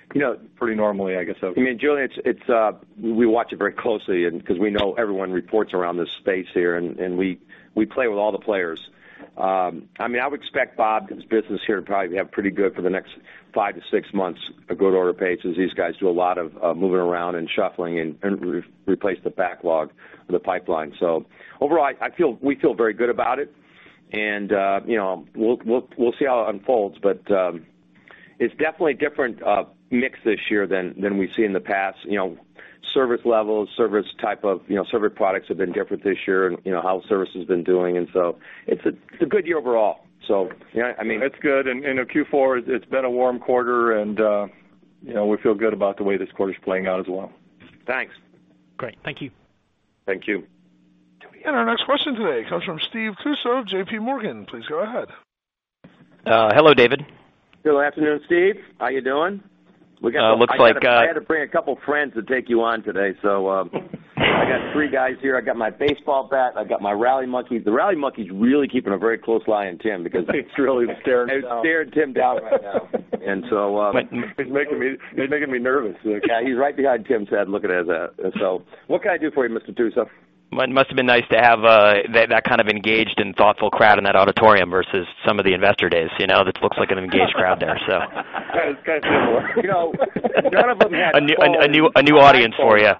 pretty normally, I guess. Julian, we watch it very closely because we know everyone reports around this space here, and we play with all the players. I would expect Bob's business here to probably have pretty good for the next five to six months of good order pace as these guys do a lot of moving around and shuffling and replace the backlog of the pipeline. Overall, we feel very good about it, and we'll see how it unfolds, but it's definitely a different mix this year than we've seen in the past. Service levels, service type of, service products have been different this year and how service has been doing, it's a good year overall. It's good. Q4, it's been a warm quarter, and we feel good about the way this quarter is playing out as well. Thanks. Great. Thank you. Thank you. Our next question today comes from Steve Tusa, JPMorgan. Please go ahead. Hello, David. Good afternoon, Steve. How you doing? Looks like. I had to bring a couple friends to take you on today, so I got three guys here. I got my baseball bat. I've got my rally monkey. The rally monkey's really keeping a very close eye on Tim because. It's really staring Tim down. It's staring Tim down right now. And so. It's making me nervous. Yeah, he's right behind Tim's head looking at him. What can I do for you, Mr. Tusa? It must've been nice to have that kind of engaged and thoughtful crowd in that auditorium versus some of the investor days, that looks like an engaged crowd there. It's kind of similar. None of them had iPhones. A new audience for you.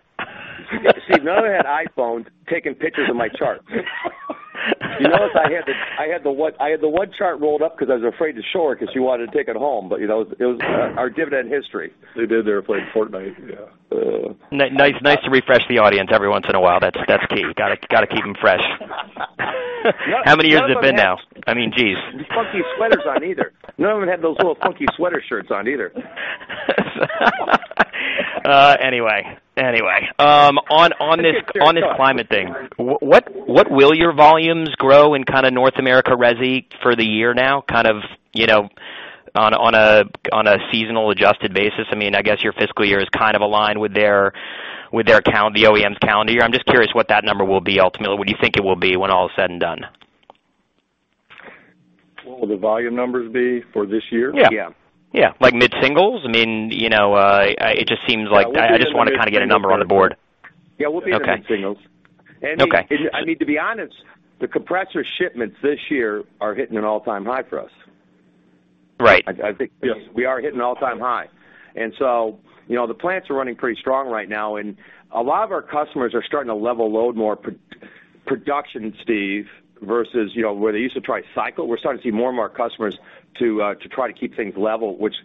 Steve, none of them had iPhones taking pictures of my chart. You notice I had the one chart rolled up because I was afraid to show her because she wanted to take it home, but it was our dividend history. They did. They were playing Fortnite. Yeah. Nice to refresh the audience every once in a while. That's key. Got to keep them fresh. How many years has it been now? Geez. Funky sweaters on either. None of them had those little funky sweater shirts on either. On this climate thing, what will your volumes grow in North America resi for the year now on a seasonally adjusted basis? I guess your fiscal year is aligned with the OEM's calendar year. I'm just curious what that number will be ultimately. What do you think it will be when all is said and done? What will the volume numbers be for this year? Yeah. Yeah. Yeah. Like mid-singles? I just want to get a number on the board. Yeah, we'll be in the mid-singles. Okay. I need to be honest, the compressor shipments this year are hitting an all-time high for us. Right. I think we are hitting an all-time high. The plants are running pretty strong right now, and a lot of our customers are starting to level load more production, Steve, versus where they used to try cycle. We're starting to see more and more customers to try to keep things level, which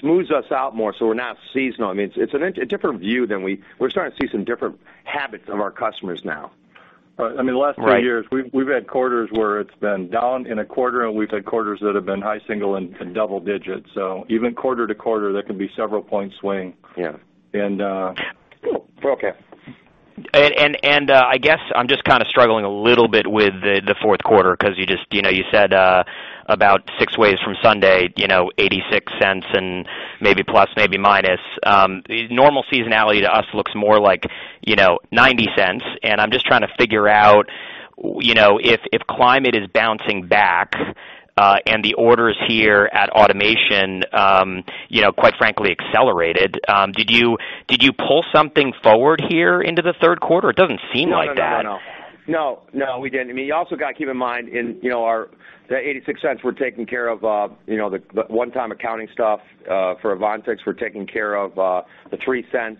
smooths us out more, so we're not seasonal. It's a different view. We're starting to see some different habits of our customers now. The last few years, we've had quarters where it's been down in a quarter, and we've had quarters that have been high single and double digits. Even quarter to quarter, there can be several points swing. Yeah. And We're okay. I guess I'm just struggling a little bit with the fourth quarter because you said about six ways from Sunday, $0.86 and maybe plus, maybe minus. Normal seasonality to us looks more like $0.90, and I'm just trying to figure out, if climate is bouncing back, and the orders here at Automation quite frankly accelerated, did you pull something forward here into the third quarter? It doesn't seem like that. No, we didn't. You also got to keep in mind in the $0.86 we're taking care of the one-time accounting stuff for Aventics, we're taking care of the $0.03.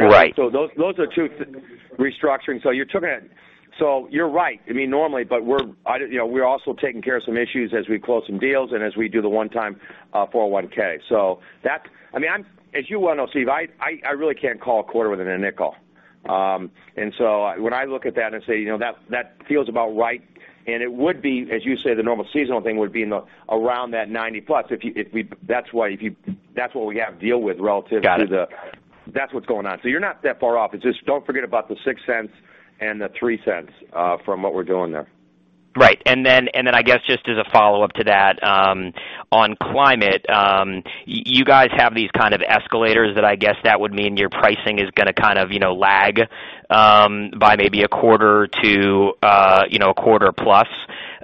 Right those are two restructuring. You're right. Normally, we're also taking care of some issues as we close some deals and as we do the one time 401(k). As you well know, Steve, I really can't call a quarter within a nickel. When I look at that and say, "That feels about right," and it would be, as you say, the normal seasonal thing would be around that $0.90 plus. That's what we have to deal with relative to the. Got it. that's what's going on. You're not that far off. It's just, don't forget about the $0.06 and the $0.03 from what we're doing there. Right. I guess just as a follow-up to that, on climate, you guys have these escalators that I guess that would mean your pricing is going to lag by maybe a quarter to a quarter plus,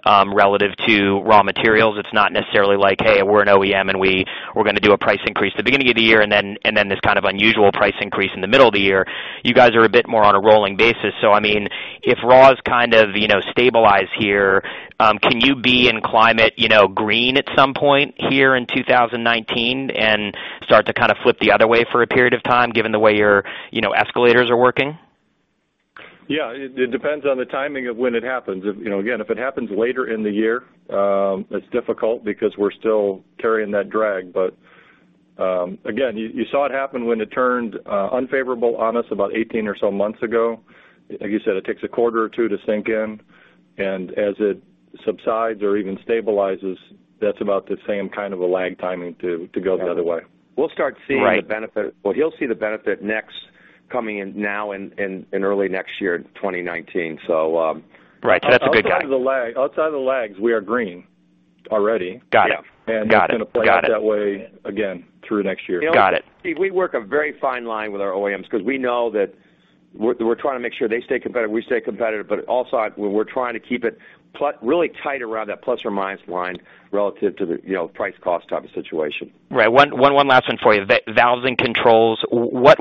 relative to raw materials. It's not necessarily like, "Hey, we're an OEM, and we're going to do a price increase at the beginning of the year, and then this kind of unusual price increase in the middle of the year." You guys are a bit more on a rolling basis. If raws stabilize here, can you be in climate green at some point here in 2019 and start to flip the other way for a period of time, given the way your escalators are working? Yeah, it depends on the timing of when it happens. Again, if it happens later in the year, it's difficult because we're still carrying that drag. Again, you saw it happen when it turned unfavorable on us about 18 or so months ago. Like you said, it takes a quarter or two to sink in, and as it subsides or even stabilizes, that's about the same kind of a lag timing to go the other way. We'll start seeing the benefit. Right. Well, he'll see the benefit next coming in now in early next year, 2019. Right. That's a good guide Outside of the lags, we are green already. Got it. Yeah. It's going to play out that way again through next year. Got it. Steve, we work a very fine line with our OEMs because we know that we're trying to make sure they stay competitive, we stay competitive, but also we're trying to keep it really tight around that plus or minus line relative to the price cost type of situation. Right. One last one for you. Valves & Controls, what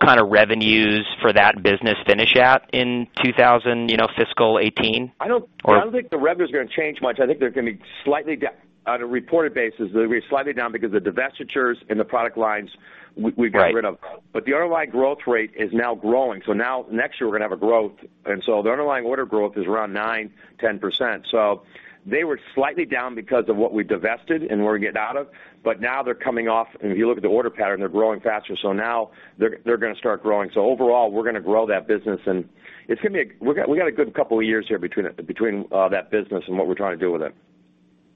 kind of revenues for that business finish at in fiscal 2018? I don't think the revenue's going to change much. I think they're going to be slightly down. On a reported basis, they'll be slightly down because the divestitures and the product lines we got rid of. Right. The ROI growth rate is now growing. Now next year we're going to have a growth, the underlying order growth is around nine, 10%. They were slightly down because of what we divested and we're getting out of. Now they're coming off, and if you look at the order pattern, they're growing faster. Now they're going to start growing. Overall, we're going to grow that business, and we got a good couple of years here between that business and what we're trying to do with it.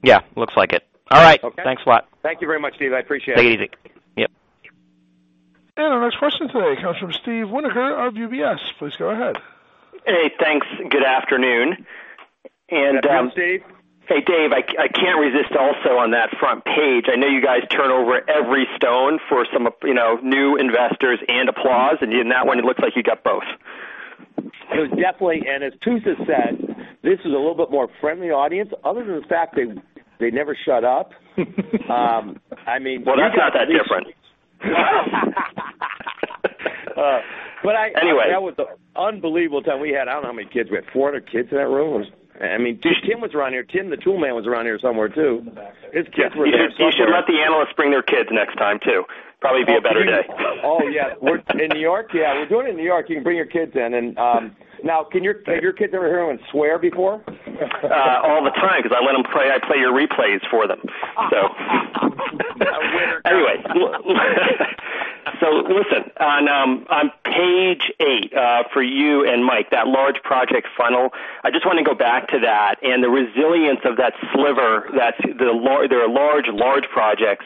Yeah, looks like it. All right. Okay. Thanks a lot. Thank you very much, Steve. I appreciate it. Take it easy. Yep. Our next question today comes from Steve Winoker of UBS. Please go ahead. Hey, thanks. Good afternoon. Afternoon, Steve. Hey, Dave. I can't resist also on that front page, I know you guys turn over every stone for some new investors and applause, in that one, it looks like you got both. It was definitely, and as Tusa said, this is a little bit more friendly audience, other than the fact they never shut up. Well, that's not that different. But I- Anyway that was an unbelievable time. We had, I don't know how many kids. We had 400 kids in that room. Tim was around here. Tim, the tool man, was around here somewhere, too. He's in the back there. His kids were there. You should let the analysts bring their kids next time, too. Probably be a better day. Oh, yeah. In New York? Yeah, we're doing it in New York. You can bring your kids in. Now, have your kids ever heard anyone swear before? All the time, because I let them play, I play your replays for them, so. Listen, on page eight for you and Mike, that large project funnel, I just want to go back to that and the resilience of that sliver that there are large projects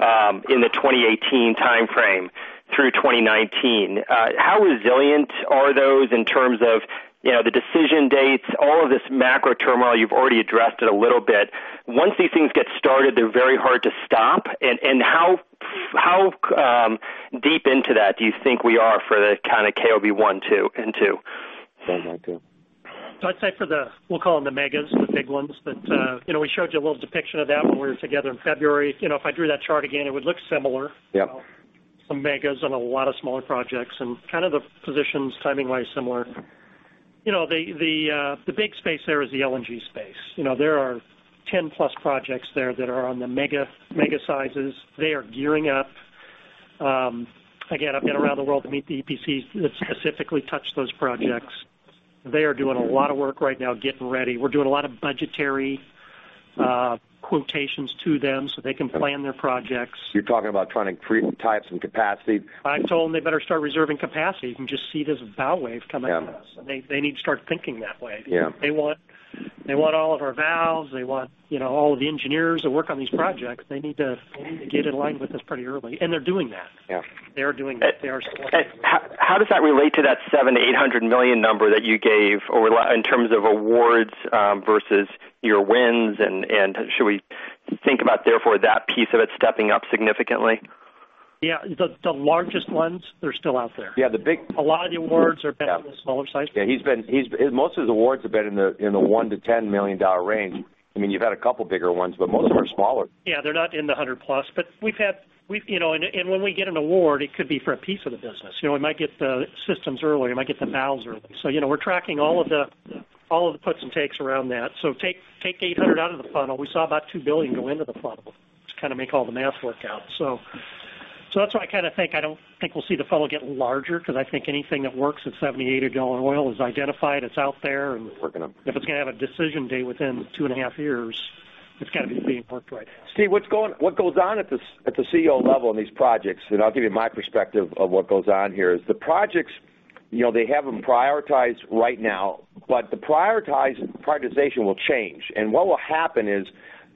in the 2018 timeframe through 2019. How resilient are those in terms of the decision dates, all of this macro turmoil? You've already addressed it a little bit. Once these things get started, they're very hard to stop, and how deep into that do you think we are for the kind of KOB 1 and 2? Sounds like two. I'd say for the, we'll call them the megas, the big ones. We showed you a little depiction of that when we were together in February. If I drew that chart again, it would look similar. Yep. Some megas and a lot of smaller projects, and kind of the positions timing-wise similar. The big space there is the LNG space. There are 10 plus projects there that are on the mega sizes. They are gearing up. Again, I've been around the world to meet the EPCs that specifically touch those projects. They are doing a lot of work right now getting ready. We're doing a lot of budgetary quotations to them so they can plan their projects. You're talking about trying to tie some capacity. I told them they better start reserving capacity. You can just see this bow wave coming at us. Yeah. They need to start thinking that way. Yeah. They want all of our valves. They want all of the engineers that work on these projects. They need to get in line with us pretty early, they're doing that. Yeah. They are doing that. They are supporting. How does that relate to that $700 million-$800 million number that you gave in terms of awards versus your wins, and should we think about therefore that piece of it stepping up significantly? Yeah. The largest ones, they're still out there. Yeah. A lot of the awards are back in the smaller size. Yeah, most of his awards have been in the $1 million-$10 million range. You've had a couple bigger ones, but most of them are smaller. Yeah, they're not in the $100 plus. When we get an award, it could be for a piece of the business. We might get the systems early, we might get the valves early. We're tracking all of the puts and takes around that. Take 800 out of the funnel. We saw about $2 billion go into the funnel to kind of make all the math work out. That's why I kind of think, I don't think we'll see the funnel get larger because I think anything that works at 70, $80 oil is identified, it's out there. Working them If it's going to have a decision date within two and a half years, it's got to be being worked right now. Steve, what goes on at the CEO level in these projects, I'll give you my perspective of what goes on here, is the projects, they have them prioritized right now, but the prioritization will change. What will happen is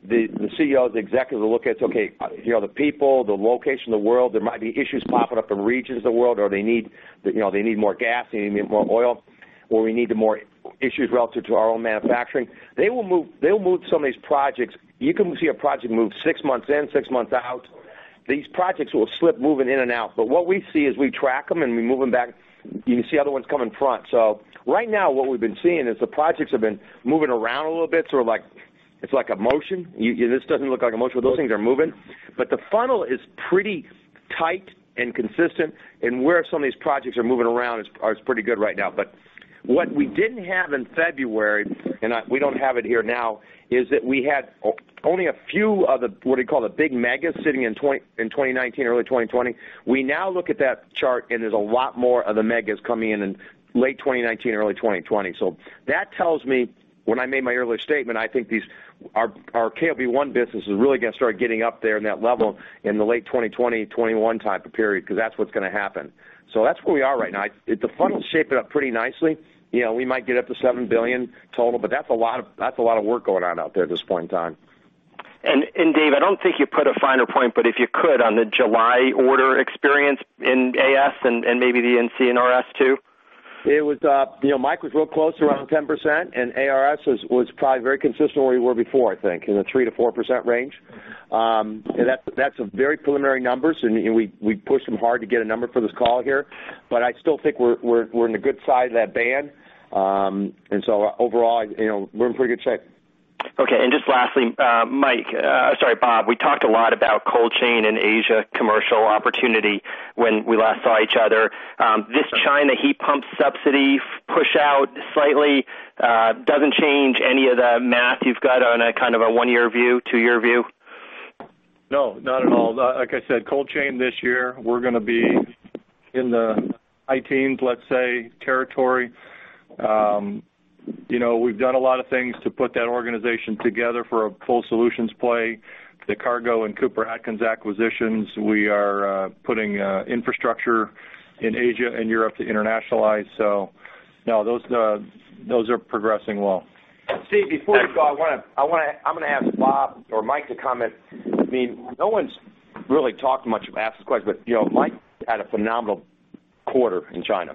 the CEO, the executive, will look at, okay, the people, the location of the world, there might be issues popping up in regions of the world, or they need more gas, they need more oil, or we need the more issues relative to our own manufacturing. They'll move some of these projects. You can see a project move six months in, six months out. These projects will slip, moving in and out. What we see is we track them, and we move them back. You can see other ones come in front. Right now, what we've been seeing is the projects have been moving around a little bit, sort of like, it's like a motion. This doesn't look like a motion, but those things are moving. The funnel is pretty tight and consistent, and where some of these projects are moving around is pretty good right now. What we didn't have in February, and we don't have it here now, is that we had only a few of the, what do you call the big megas sitting in 2019, early 2020. We now look at that chart, and there's a lot more of the megas coming in in late 2019, early 2020. That tells me when I made my earlier statement, I think our KOB1 business is really going to start getting up there in that level in the late 2020, 2021 type of period, because that's what's going to happen. That's where we are right now. The funnel's shaping up pretty nicely. We might get up to $7 billion total, but that's a lot of work going on out there at this point in time. Dave, I don't think you put a finer point, but if you could, on the July order experience in AS and maybe the C&RS too. Mike was real close around the 10%, C&RS was probably very consistent where we were before, I think, in the 3%-4% range. That's very preliminary numbers, and we pushed them hard to get a number for this call here. I still think we're in the good side of that band. Overall, we're in pretty good shape. Okay. Just lastly, Mike, sorry Bob, we talked a lot about cold chain and Asia commercial opportunity when we last saw each other. This China heat pump subsidy push out slightly doesn't change any of the math you've got on a kind of a 1-year view, 2-year view? No, not at all. Like I said, cold chain this year, we're going to be in the high teens, let's say, territory. We've done a lot of things to put that organization together for a full solutions play. The Cargo and Cooper-Atkins acquisitions. We are putting infrastructure in Asia and Europe to internationalize. No, those are progressing well. Steve, before we go, I'm going to ask Bob or Mike to comment. No one's really talked much, I'll ask this question, but Mike had a phenomenal quarter in China,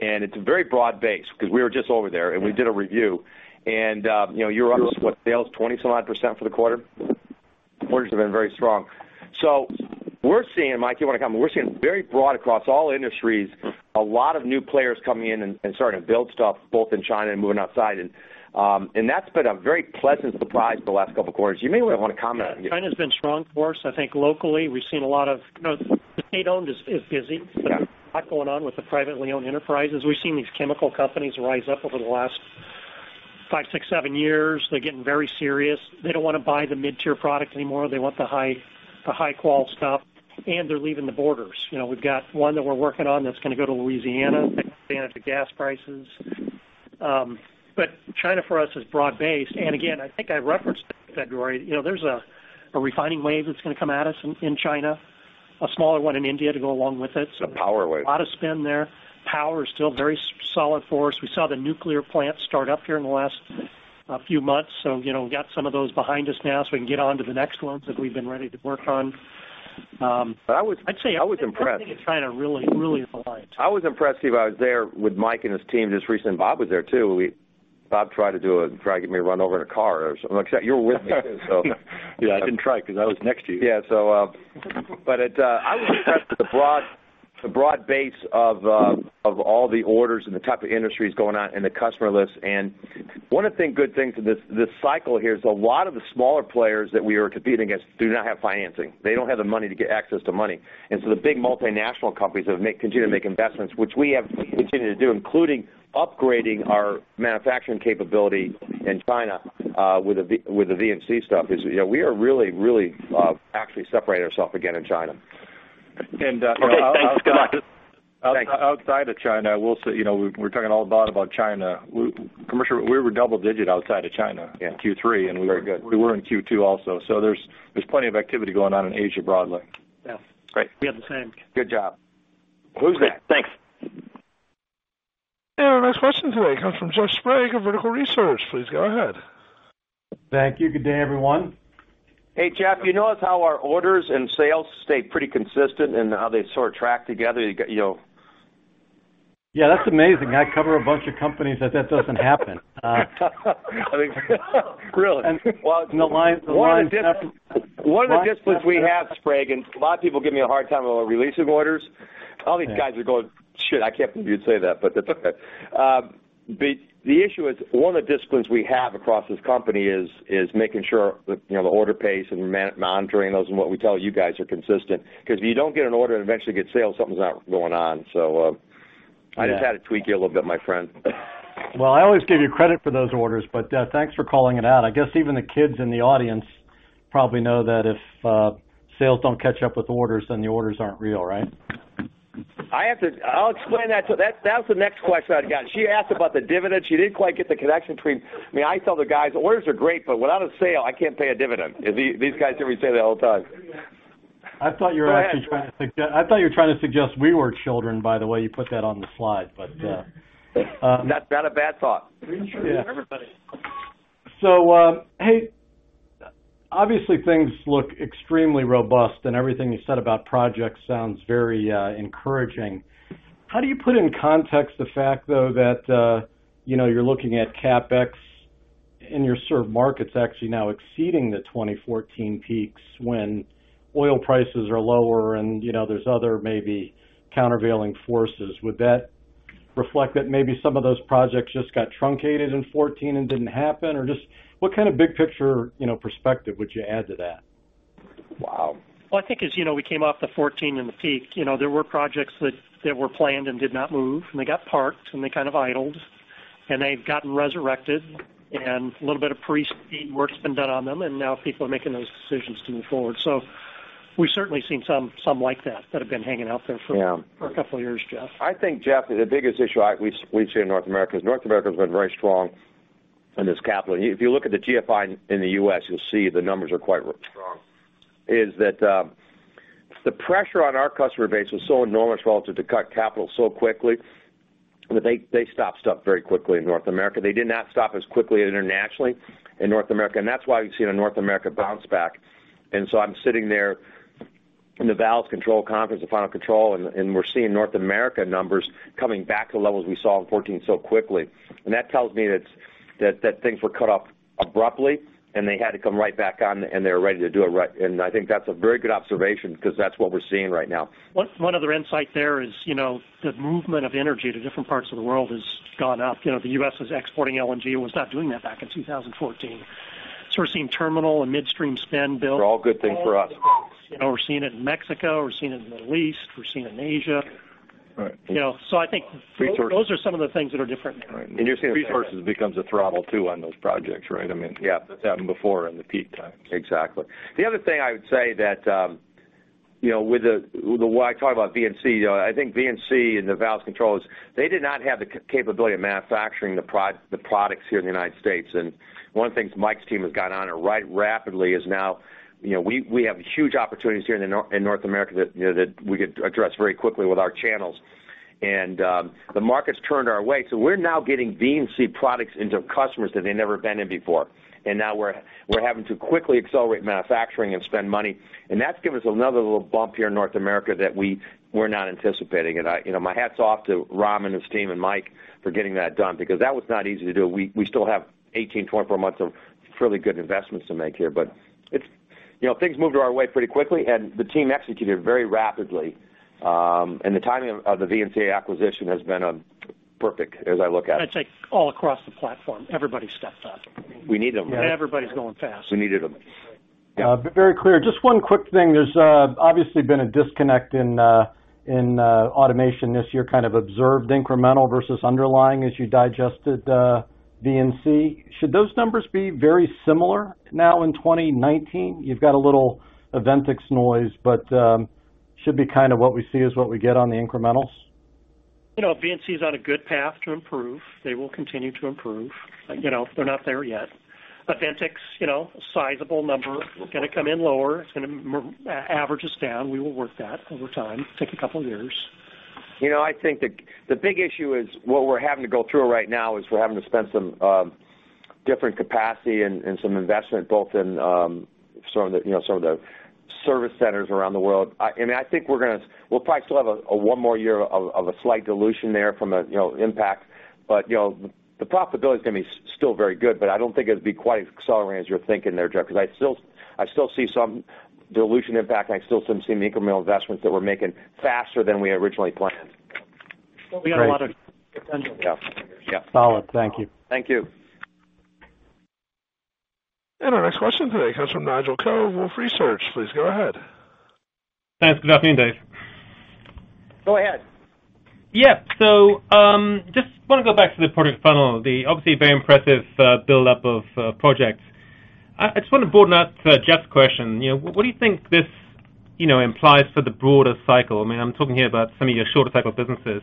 and it's a very broad base because we were just over there, and we did a review, and you're up, what, sales 20-some odd percent for the quarter? Orders have been very strong. We're seeing, Mike, you want to comment? We're seeing very broad across all industries, a lot of new players coming in and starting to build stuff both in China and moving outside. That's been a very pleasant surprise for the last couple of quarters. You may want to comment. China's been strong for us. I think locally we've seen a lot of state-owned is busy. Yeah. A lot going on with the privately owned enterprises. We've seen these chemical companies rise up over the last five, six, seven years. They're getting very serious. They don't want to buy the mid-tier product anymore. They want the high-quality stuff, and they're leaving the borders. We've got one that we're working on that's going to go to Louisiana, take advantage of gas prices. China for us is broad-based. Again, I think I referenced February. There's a refining wave that's going to come at us in China, a smaller one in India to go along with it. The power wave. A lot of spin there. Power is still very solid for us. We saw the nuclear plants start up here in the last few months. We've got some of those behind us now, so we can get onto the next ones that we've been ready to work on. I was impressed. I'd say, I think that thing in China really aligned. I was impressed, Steve. I was there with Mike and his team just recently. Bob was there too. Bob tried to get me run over in a car or something like that. You were with me too. Yeah, I didn't try because I was next to you. Yeah. I was impressed with the broad base of all the orders and the type of industries going on, and the customer list. One of the good things in this cycle here is a lot of the smaller players that we are competing against do not have financing. They don't have the money to get access to money. The big multinational companies continue to make investments, which we have continued to do, including upgrading our manufacturing capability in China, with the Aventics stuff. We are really actually separating ourselves again in China. Okay, thanks. Good luck. Outside of China, we're talking all about China. Commercially, we were double digit outside of China in Q3. Yeah. Very good. We were in Q2 also. There's plenty of activity going on in Asia broadly. Yeah. Great. We have the same. Good job. Who's next? Thanks. Our next question today comes from Jeff Sprague of Vertical Research. Please go ahead. Thank you. Good day, everyone. Hey, Jeff, you notice how our orders and sales stay pretty consistent and how they sort of track together? Yeah, that's amazing. I cover a bunch of companies that that doesn't happen. Really? The lines don't. One of the disciplines we have, Sprague, and a lot of people give me a hard time about releasing orders. All these guys are going, "Shit, I can't believe you'd say that," but that's okay. The issue is, one of the disciplines we have across this company is making sure the order pace and monitoring those and what we tell you guys are consistent. Because if you don't get an order and eventually get sales, something's not going on. I just had to tweak you a little bit, my friend. Well, I always give you credit for those orders, but thanks for calling it out. I guess even the kids in the audience probably know that if sales don't catch up with orders, the orders aren't real, right? I'll explain that. That was the next question I'd got. She asked about the dividend. She didn't quite get the connection between I tell the guys, "Orders are great, but without a sale, I can't pay a dividend." These guys hear me say that all the time. I thought you were actually trying to suggest we were children, by the way you put that on the slide. Not a bad thought. We sure are, everybody. things look extremely robust, and everything you said about projects sounds very encouraging. How do you put in context the fact, though, that you're looking at CapEx in your served markets actually now exceeding the 2014 peaks when oil prices are lower, and there's other maybe countervailing forces? Would that reflect that maybe some of those projects just got truncated in 2014 and didn't happen, or just what kind of big picture perspective would you add to that? Wow. Well, I think as we came off the 2014 and the peak, there were projects that were planned and did not move, and they got parked, and they kind of idled, and they've gotten resurrected. A little bit of Pre-FEED work's been done on them, and now people are making those decisions to move forward. We've certainly seen some like that have been hanging out there for- Yeah a couple of years, Jeff. I think, Jeff, the biggest issue we've seen in North America is North America's been very strong in this capital. If you look at the GFI in the U.S., you'll see the numbers are quite strong, is that the pressure on our customer base was so enormous relative to cut capital so quickly that they stopped stuff very quickly in North America. They did not stop as quickly internationally. In North America. That's why you've seen a North America bounce back. I'm sitting there in the Valves & Controls conference, the final control, and we're seeing North America numbers coming back to levels we saw in 2014 so quickly. That tells me that things were cut off abruptly, and they had to come right back on, and they were ready to do it right. I think that's a very good observation because that's what we're seeing right now. One other insight there is the movement of energy to different parts of the world has gone up. The U.S. is exporting LNG. It was not doing that back in 2014. We're seeing terminal and midstream spend build. They're all good things for us. We're seeing it in Mexico, we're seeing it in the Middle East, we're seeing it in Asia. Right. I think those are some of the things that are different now. You're seeing resources becomes a throttle too on those projects, right? Yeah. That's happened before in the peak time. Exactly. The other thing I would say that when I talk about VNC, I think VNC and the Valves & Controls, they did not have the capability of manufacturing the products here in the United States. One of the things Mike's team has gone on and ride rapidly is now we have huge opportunities here in North America that we could address very quickly with our channels. The market's turned our way. We're now getting VNC products into customers that they've never been in before. Now we're having to quickly accelerate manufacturing and spend money. That's given us another little bump here in North America that we were not anticipating. My hat's off to Robin and his team, and Mike for getting that done because that was not easy to do. We still have 18, 24 months of fairly good investments to make here. Things moved to our way pretty quickly, and the team executed very rapidly. The timing of the VNC acquisition has been perfect as I look at it. I'd say all across the platform. Everybody stepped up. We need them. Everybody's going fast. We needed them. Very clear. Just one quick thing. There's obviously been a disconnect in automation this year, kind of observed incremental versus underlying as you digested Aventics. Should those numbers be very similar now in 2019? You've got a little Aventics noise. Should be kind of what we see is what we get on the incrementals? Aventics is on a good path to improve. They will continue to improve. They're not there yet. Aventics, a sizable number. It's going to come in lower. It's going to average us down. We will work that over time. Take a couple of years. I think the big issue is what we're having to go through right now is we're having to spend some different capacity and some investment both in some of the service centers around the world. I think we'll probably still have one more year of a slight dilution there from an impact. The profitability is going to be still very good, but I don't think it'll be quite as accelerating as you're thinking there, Jeff, because I still see some dilution impact, and I still seem the incremental investments that we're making faster than we had originally planned. We got a lot of potential. Yeah. Solid. Thank you. Thank you. Our next question today comes from Nigel Coe, Wolfe Research. Please go ahead. Thanks. Good afternoon, Dave. Go ahead. Yeah. Just want to go back to the product funnel, the obviously very impressive buildup of projects. I just want to broaden out Jeff's question. What do you think this implies for the broader cycle? I'm talking here about some of your shorter cycle businesses.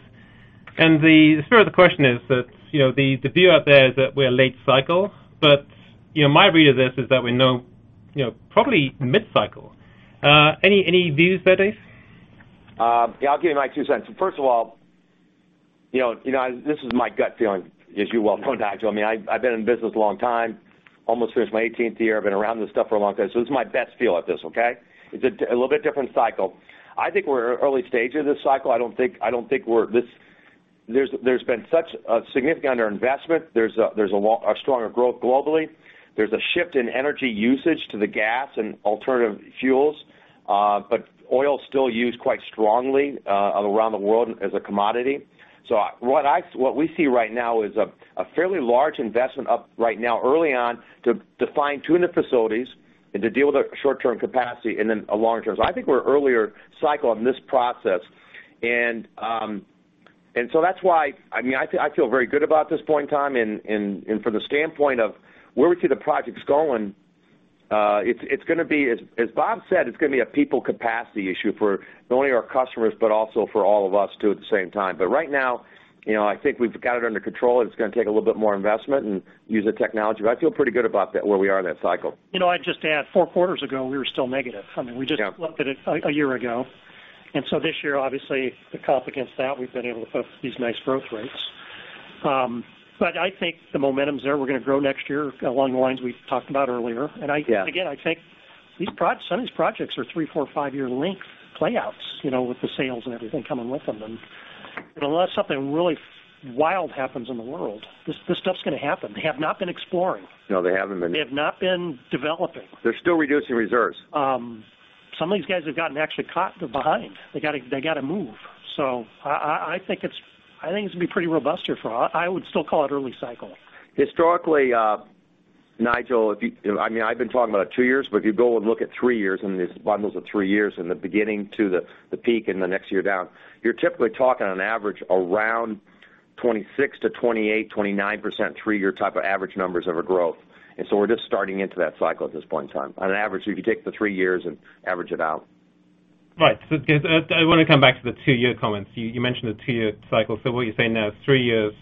The spirit of the question is that the view out there is that we're late cycle, but my read of this is that we know probably mid-cycle. Any views there, Dave? I'll give you my two cents. First of all, this is my gut feeling, as you well know, Nigel. I've been in business a long time, almost finished my 18th year. I've been around this stuff for a long time. This is my best feel at this, okay? It's a little bit different cycle. I think we're early stage of this cycle. There's been such a significant underinvestment. There's a stronger growth globally. There's a shift in energy usage to the gas and alternative fuels. Oil is still used quite strongly around the world as a commodity. What we see right now is a fairly large investment up right now early on to fine-tune the facilities and to deal with the short-term capacity, and then longer term. I think we're earlier cycle on this process. That's why I feel very good about this point in time, and from the standpoint of where we see the projects going, as Bob said, it's going to be a people capacity issue for not only our customers, but also for all of us, too, at the same time. Right now, I think we've got it under control, and it's going to take a little bit more investment and use of technology. I feel pretty good about where we are in that cycle. I'd just add, four quarters ago, we were still negative. Yeah. We just looked at it a year ago. This year, obviously, the comp against that, we've been able to focus these nice growth rates. I think the momentum's there. We're going to grow next year along the lines we've talked about earlier. Yeah. I think some of these projects are three, four, five-year length playouts with the sales and everything coming with them. Unless something really wild happens in the world, this stuff's going to happen. They have not been exploring. No, they haven't been. They have not been developing. They're still reducing reserves. Some of these guys have gotten actually caught behind. They got to move. I think it's going to be pretty robust here. I would still call it early cycle. Historically, Nigel, I've been talking about two years, but if you go and look at three years and these bundles of three years in the beginning to the peak and the next year down, you're typically talking on average around 26%-28%, 29%, three-year type of average numbers of a growth. We're just starting into that cycle at this point in time. On an average, if you take the three years and average it out. Right. I want to come back to the two-year comments. You mentioned the two-year cycle. What you're saying now is three years.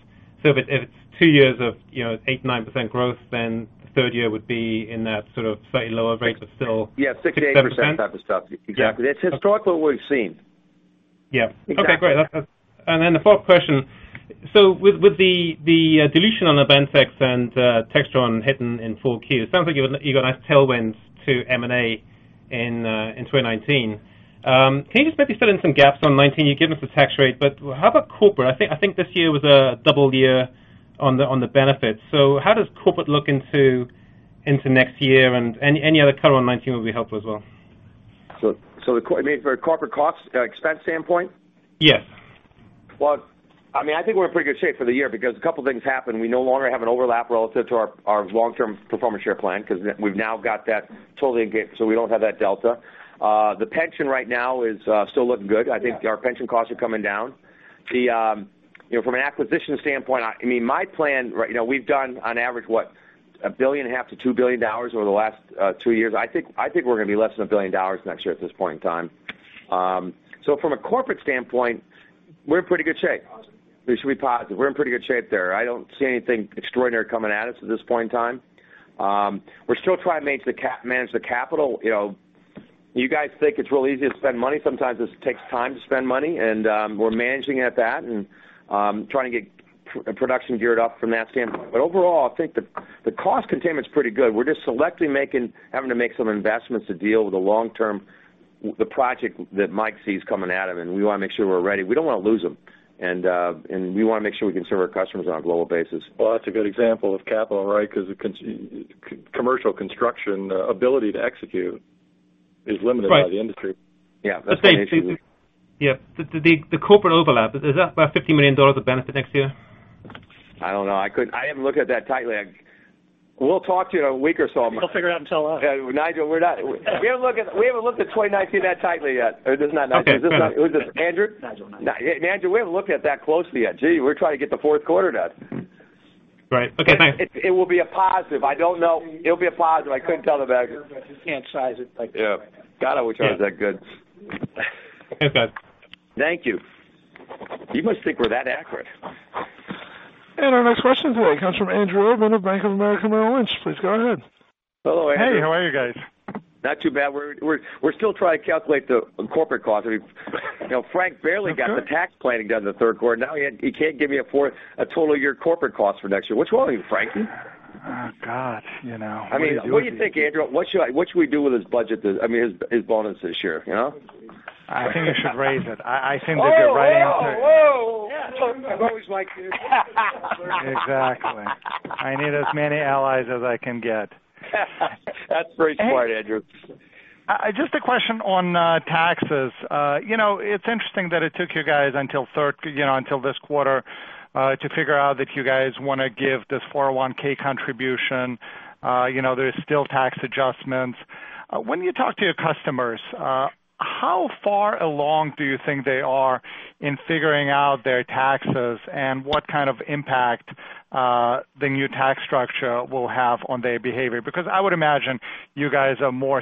If it's two years of 8%, 9% growth, then the third year would be in that sort of slightly lower rate but still 6%, 7%. Yeah, 6%, 8% type of stuff. Exactly. That's historically what we've seen. Yeah. Exactly. The fourth question. With the dilution on the Aventics and Textron hitting in full Q, it sounds like you got nice tailwinds to M&A in 2019. Can you just maybe fill in some gaps on 2019? You gave us the tax rate, how about corporate? I think this year was a double year on the benefits. How does corporate look into next year, and any other color on 2019 would be helpful as well. You mean for corporate cost expense standpoint? Yes. Well, I think we're in pretty good shape for the year because a couple of things happened. We no longer have an overlap relative to our long-term performance share plan because we've now got that totally engaged, so we don't have that delta. The pension right now is still looking good. I think our pension costs are coming down. From an acquisition standpoint, we've done on average, what, $1.5 billion-$2 billion over the last two years. I think we're going to be less than $1 billion next year at this point in time. From a corporate standpoint, we're in pretty good shape. Awesome. We should be positive. We're in pretty good shape there. I don't see anything extraordinary coming at us at this point in time. We're still trying to manage the capital. You guys think it's really easy to spend money. Sometimes it takes time to spend money, and we're managing at that and trying to get production geared up from that standpoint. Overall, I think the cost containment's pretty good. We're just selectively having to make some investments to deal with the long term, the project that Mike sees coming out of, and we want to make sure we're ready. We don't want to lose them. We want to make sure we can serve our customers on a global basis. Well, that's a good example of capital, right? Because commercial construction ability to execute is limited by the industry. Right. Yeah. That's amazing. Yeah. The corporate overlap, is that about $50 million of benefit next year? I don't know. I haven't looked at that tightly. We'll talk to you in a week or so. We'll figure it out and tell us. Nigel, we haven't looked at 2019 that tightly yet. Is this not Nigel? Is this Andrew? Nigel. Nigel, we haven't looked at that closely yet. Gee, we're trying to get the fourth quarter done. Right. Okay, thanks. It will be a positive. I don't know. It'll be a positive. I couldn't tell the banker. Can't size it like that right now. Yeah. God, I wish I was that good. Okay, thanks. Thank you. You must think we're that accurate. Our next question today comes from Andrew Obin of Bank of America Merrill Lynch. Please go ahead. Hello, Andrew. Hey, how are you guys? Not too bad. We're still trying to calculate the corporate cost. Frank barely got the tax planning done in the third quarter. Now he can't give me a total year corporate cost for next year. What's wrong with you, Frankie? Oh, God. What do you do with these guys? What do you think, Andrew? What should we do with his budget, I mean, his bonus this year? I think you should raise it. I seem to get right answers. Whoa. I've always liked you. Exactly. I need as many allies as I can get. That's very smart, Andrew. Just a question on taxes. It's interesting that it took you guys until this quarter to figure out that you guys want to give this 401 contribution. There's still tax adjustments. When you talk to your customers, how far along do you think they are in figuring out their taxes, and what kind of impact the new tax structure will have on their behavior? I would imagine you guys are among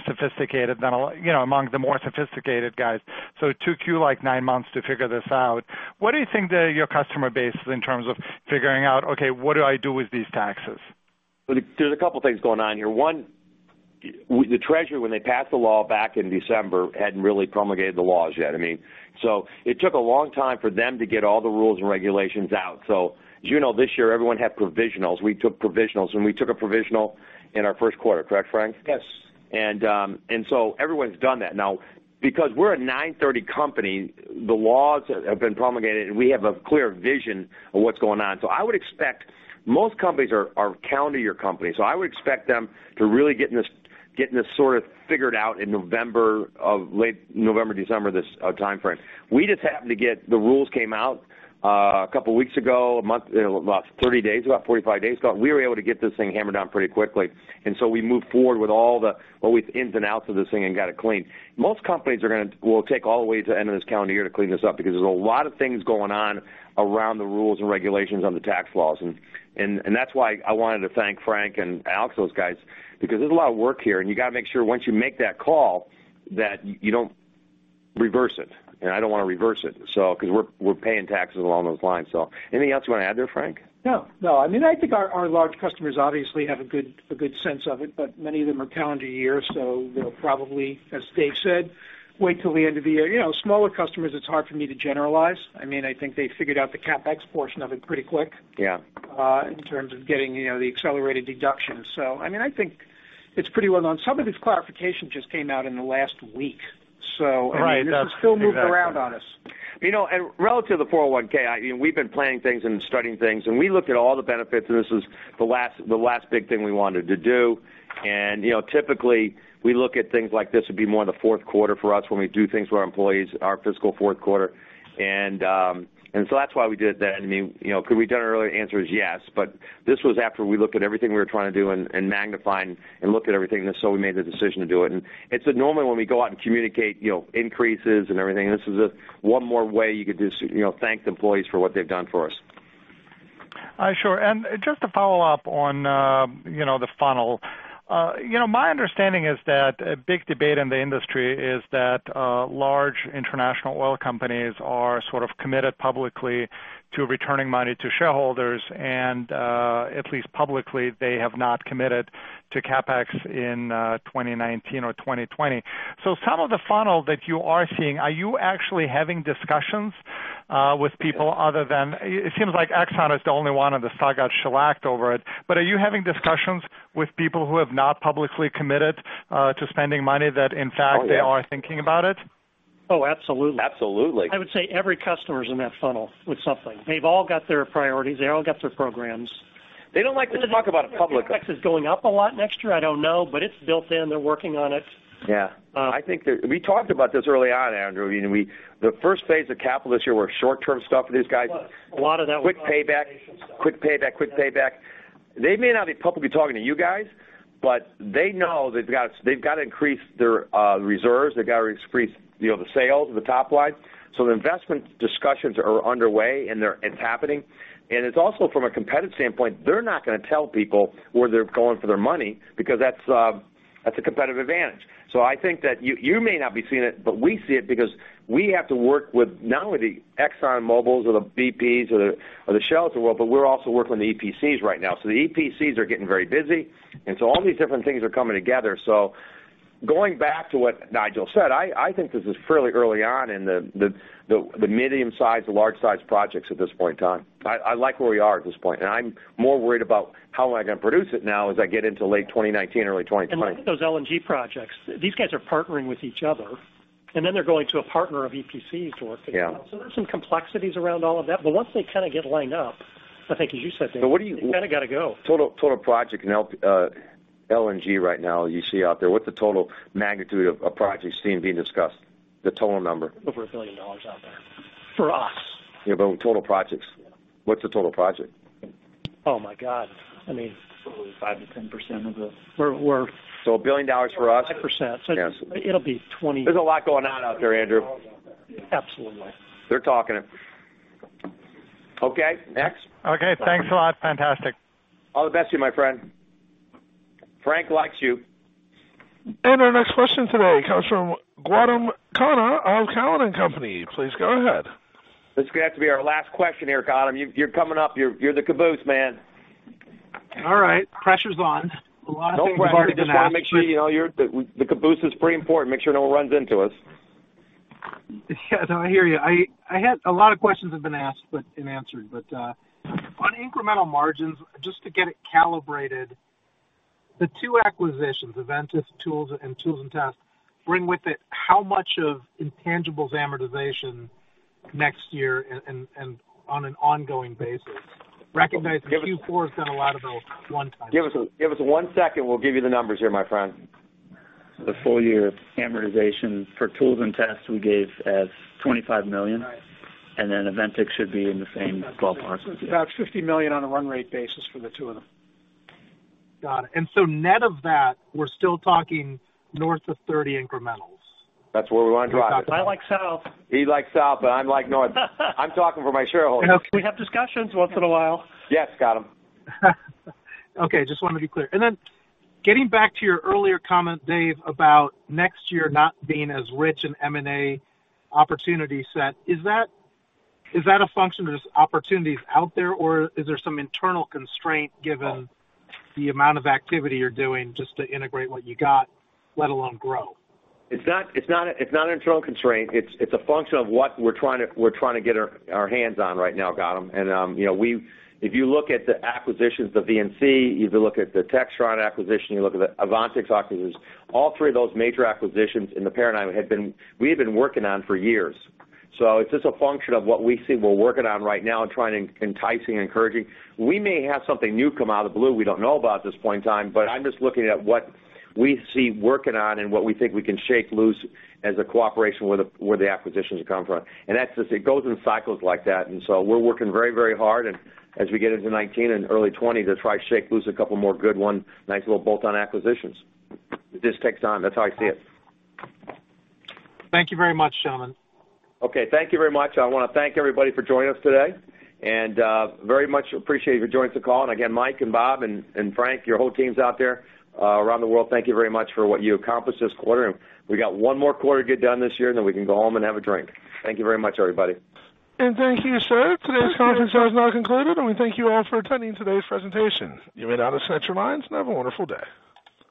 the more sophisticated guys. It took you nine months to figure this out. Where do you think that your customer base is in terms of figuring out, "Okay, what do I do with these taxes? There's a couple things going on here. One, the Treasury, when they passed the law back in December, hadn't really promulgated the laws yet. It took a long time for them to get all the rules and regulations out. As you know, this year, everyone had provisionals. We took provisionals, and we took a provisional in our first quarter, correct, Frank? Yes. Everyone's done that. Now, because we're a 930 company, the laws have been promulgated, and we have a clear vision of what's going on. I would expect most companies are calendar year companies, I would expect them to really get this sort of figured out in November of late November, December, this timeframe. We just happened to get the rules came out a couple of weeks ago, about 30 days, about 45 days ago. We were able to get this thing hammered out pretty quickly, we moved forward with all the ins and outs of this thing and got it clean. Most companies will take all the way to the end of this calendar year to clean this up because there's a lot of things going on around the rules and regulations on the tax laws. That's why I wanted to thank Frank and Alex, those guys, because there's a lot of work here, and you got to make sure once you make that call, that you don't reverse it. I don't want to reverse it because we're paying taxes along those lines. Anything else you want to add there, Frank? No. I think our large customers obviously have a good sense of it, but many of them are calendar year, so they'll probably, as Dave said, wait till the end of the year. Smaller customers, it's hard for me to generalize. I think they figured out the CapEx portion of it pretty quick. Yeah. In terms of getting the accelerated deduction. I think it's pretty well known. Some of these clarifications just came out in the last week. Right. That's exactly. This has still moved around on us. Relative to the 401, we've been planning things and studying things, we looked at all the benefits, this was the last big thing we wanted to do. Typically, we look at things like this would be more in the fourth quarter for us when we do things for our employees, our fiscal fourth quarter. That's why we did that. Could we have done it earlier? The answer is yes, this was after we looked at everything we were trying to do and magnifying and looked at everything, we made the decision to do it. It's normally when we go out and communicate increases and everything. This is one more way you could just thank the employees for what they've done for us. Just to follow up on the funnel. My understanding is that a big debate in the industry is that large international oil companies are sort of committed publicly to returning money to shareholders. At least publicly, they have not committed to CapEx in 2019 or 2020. Some of the funnel that you are seeing, are you actually having discussions with people other than-- It seems like Exxon is the only one and the stock got shellacked over it. Are you having discussions with people who have not publicly committed to spending money that, in fact, they are thinking about it? Oh, absolutely. Absolutely. I would say every customer is in that funnel with something. They've all got their priorities. They all got their programs. They don't like to talk about it publicly. CapEx is going up a lot next year. I don't know. It's built in. They're working on it. Yeah. We talked about this early on, Andrew. The first phase of capital this year were short-term stuff for these guys. A lot of that was compensation stuff. Quick payback. They may not be publicly talking to you guys, but they know they've got to increase their reserves. They've got to increase the sales, the top line. The investment discussions are underway, and it's happening. It's also from a competitive standpoint, they're not going to tell people where they're going for their money because that's a competitive advantage. I think that you may not be seeing it, but we see it because we have to work with not only the ExxonMobils or the BPs or the Shells of the world, but we're also working with the EPCs right now. The EPCs are getting very busy. All these different things are coming together. Going back to what Nigel said, I think this is fairly early on in the medium size, the large size projects at this point in time. I like where we are at this point, and I'm more worried about how am I going to produce it now as I get into late 2019, early 2020. Look at those LNG projects. These guys are partnering with each other, and then they're going to a partner of EPCs to work things out. Yeah. There's some complexities around all of that. Once they kind of get lined up, I think as you said, Dave, they kind of got to go. Total project in LNG right now you see out there, what's the total magnitude of projects seen being discussed? The total number. Over $1 billion out there. For us. Yeah, total projects. Yeah. What's the total project? Oh my God. Probably 5% to 10%. We're- A billion dollars for us. 5%. Yeah. It'll be 20%. There's a lot going on out there, Andrew. Absolutely. They're talking it. Okay, next. Okay, thanks a lot. Fantastic. All the best to you, my friend. Frank likes you. Our next question today comes from Gautam Khanna of Cowen and Company. Please go ahead. This is going to have to be our last question here, Gautam. You're coming up. You're the caboose, man. All right. Pressure's on. A lot of things have already been asked. No pressure. Just want to make sure you're The caboose is pretty important. Make sure no one runs into us. Yeah, no, I hear you. I had a lot of questions have been asked, but been answered. On incremental margins, just to get it calibrated, the two acquisitions, Aventics and Tools and Test, bring with it how much of intangibles amortization next year and on an ongoing basis? Recognizing Q4 has done a lot of those one-time things. Give us one second. We'll give you the numbers here, my friend. The full year amortization for Tools and Test we gave as $25 million. Right. Aventics should be in the same ballpark. It's about $50 million on a run rate basis for the two of them. Got it. Net of that, we're still talking north of 30% incrementals. That's where we want to drive it. I like south. He likes south, I like north. I'm talking for my shareholders. You know, we have discussions once in a while. Yes, Gautam. Okay. Just wanted to be clear. Then getting back to your earlier comment, Dave, about next year not being as rich in M&A opportunity set, is that a function? There's opportunities out there, or is there some internal constraint given the amount of activity you're doing just to integrate what you got, let alone grow? It's not an internal constraint. It's a function of what we're trying to get our hands on right now, Gautam. If you look at the acquisitions, the Aventics, you look at the Textron acquisition, you look at the Aventics acquisitions, all three of those major acquisitions in the paradigm we have been working on for years. It's just a function of what we see we're working on right now and trying enticing, encouraging. We may have something new come out of the blue we don't know about at this point in time, but I'm just looking at what we see working on and what we think we can shake loose as a cooperation where the acquisitions are coming from. It goes in cycles like that. We're working very hard as we get into 2019 and early 2020 to try to shake loose a couple more good ones, nice little bolt-on acquisitions. It just takes time. That's how I see it. Thank you very much, gentlemen. Okay. Thank you very much. I want to thank everybody for joining us today. Very much appreciate you for joining us on the call. Again, Mike and Bob and Frank, your whole team's out there around the world. Thank you very much for what you accomplished this quarter. We got one more quarter to get done this year, then we can go home and have a drink. Thank you very much, everybody. Thank you, sir. Today's conference has now concluded, and we thank you all for attending today's presentation. You may now disconnect your lines and have a wonderful day.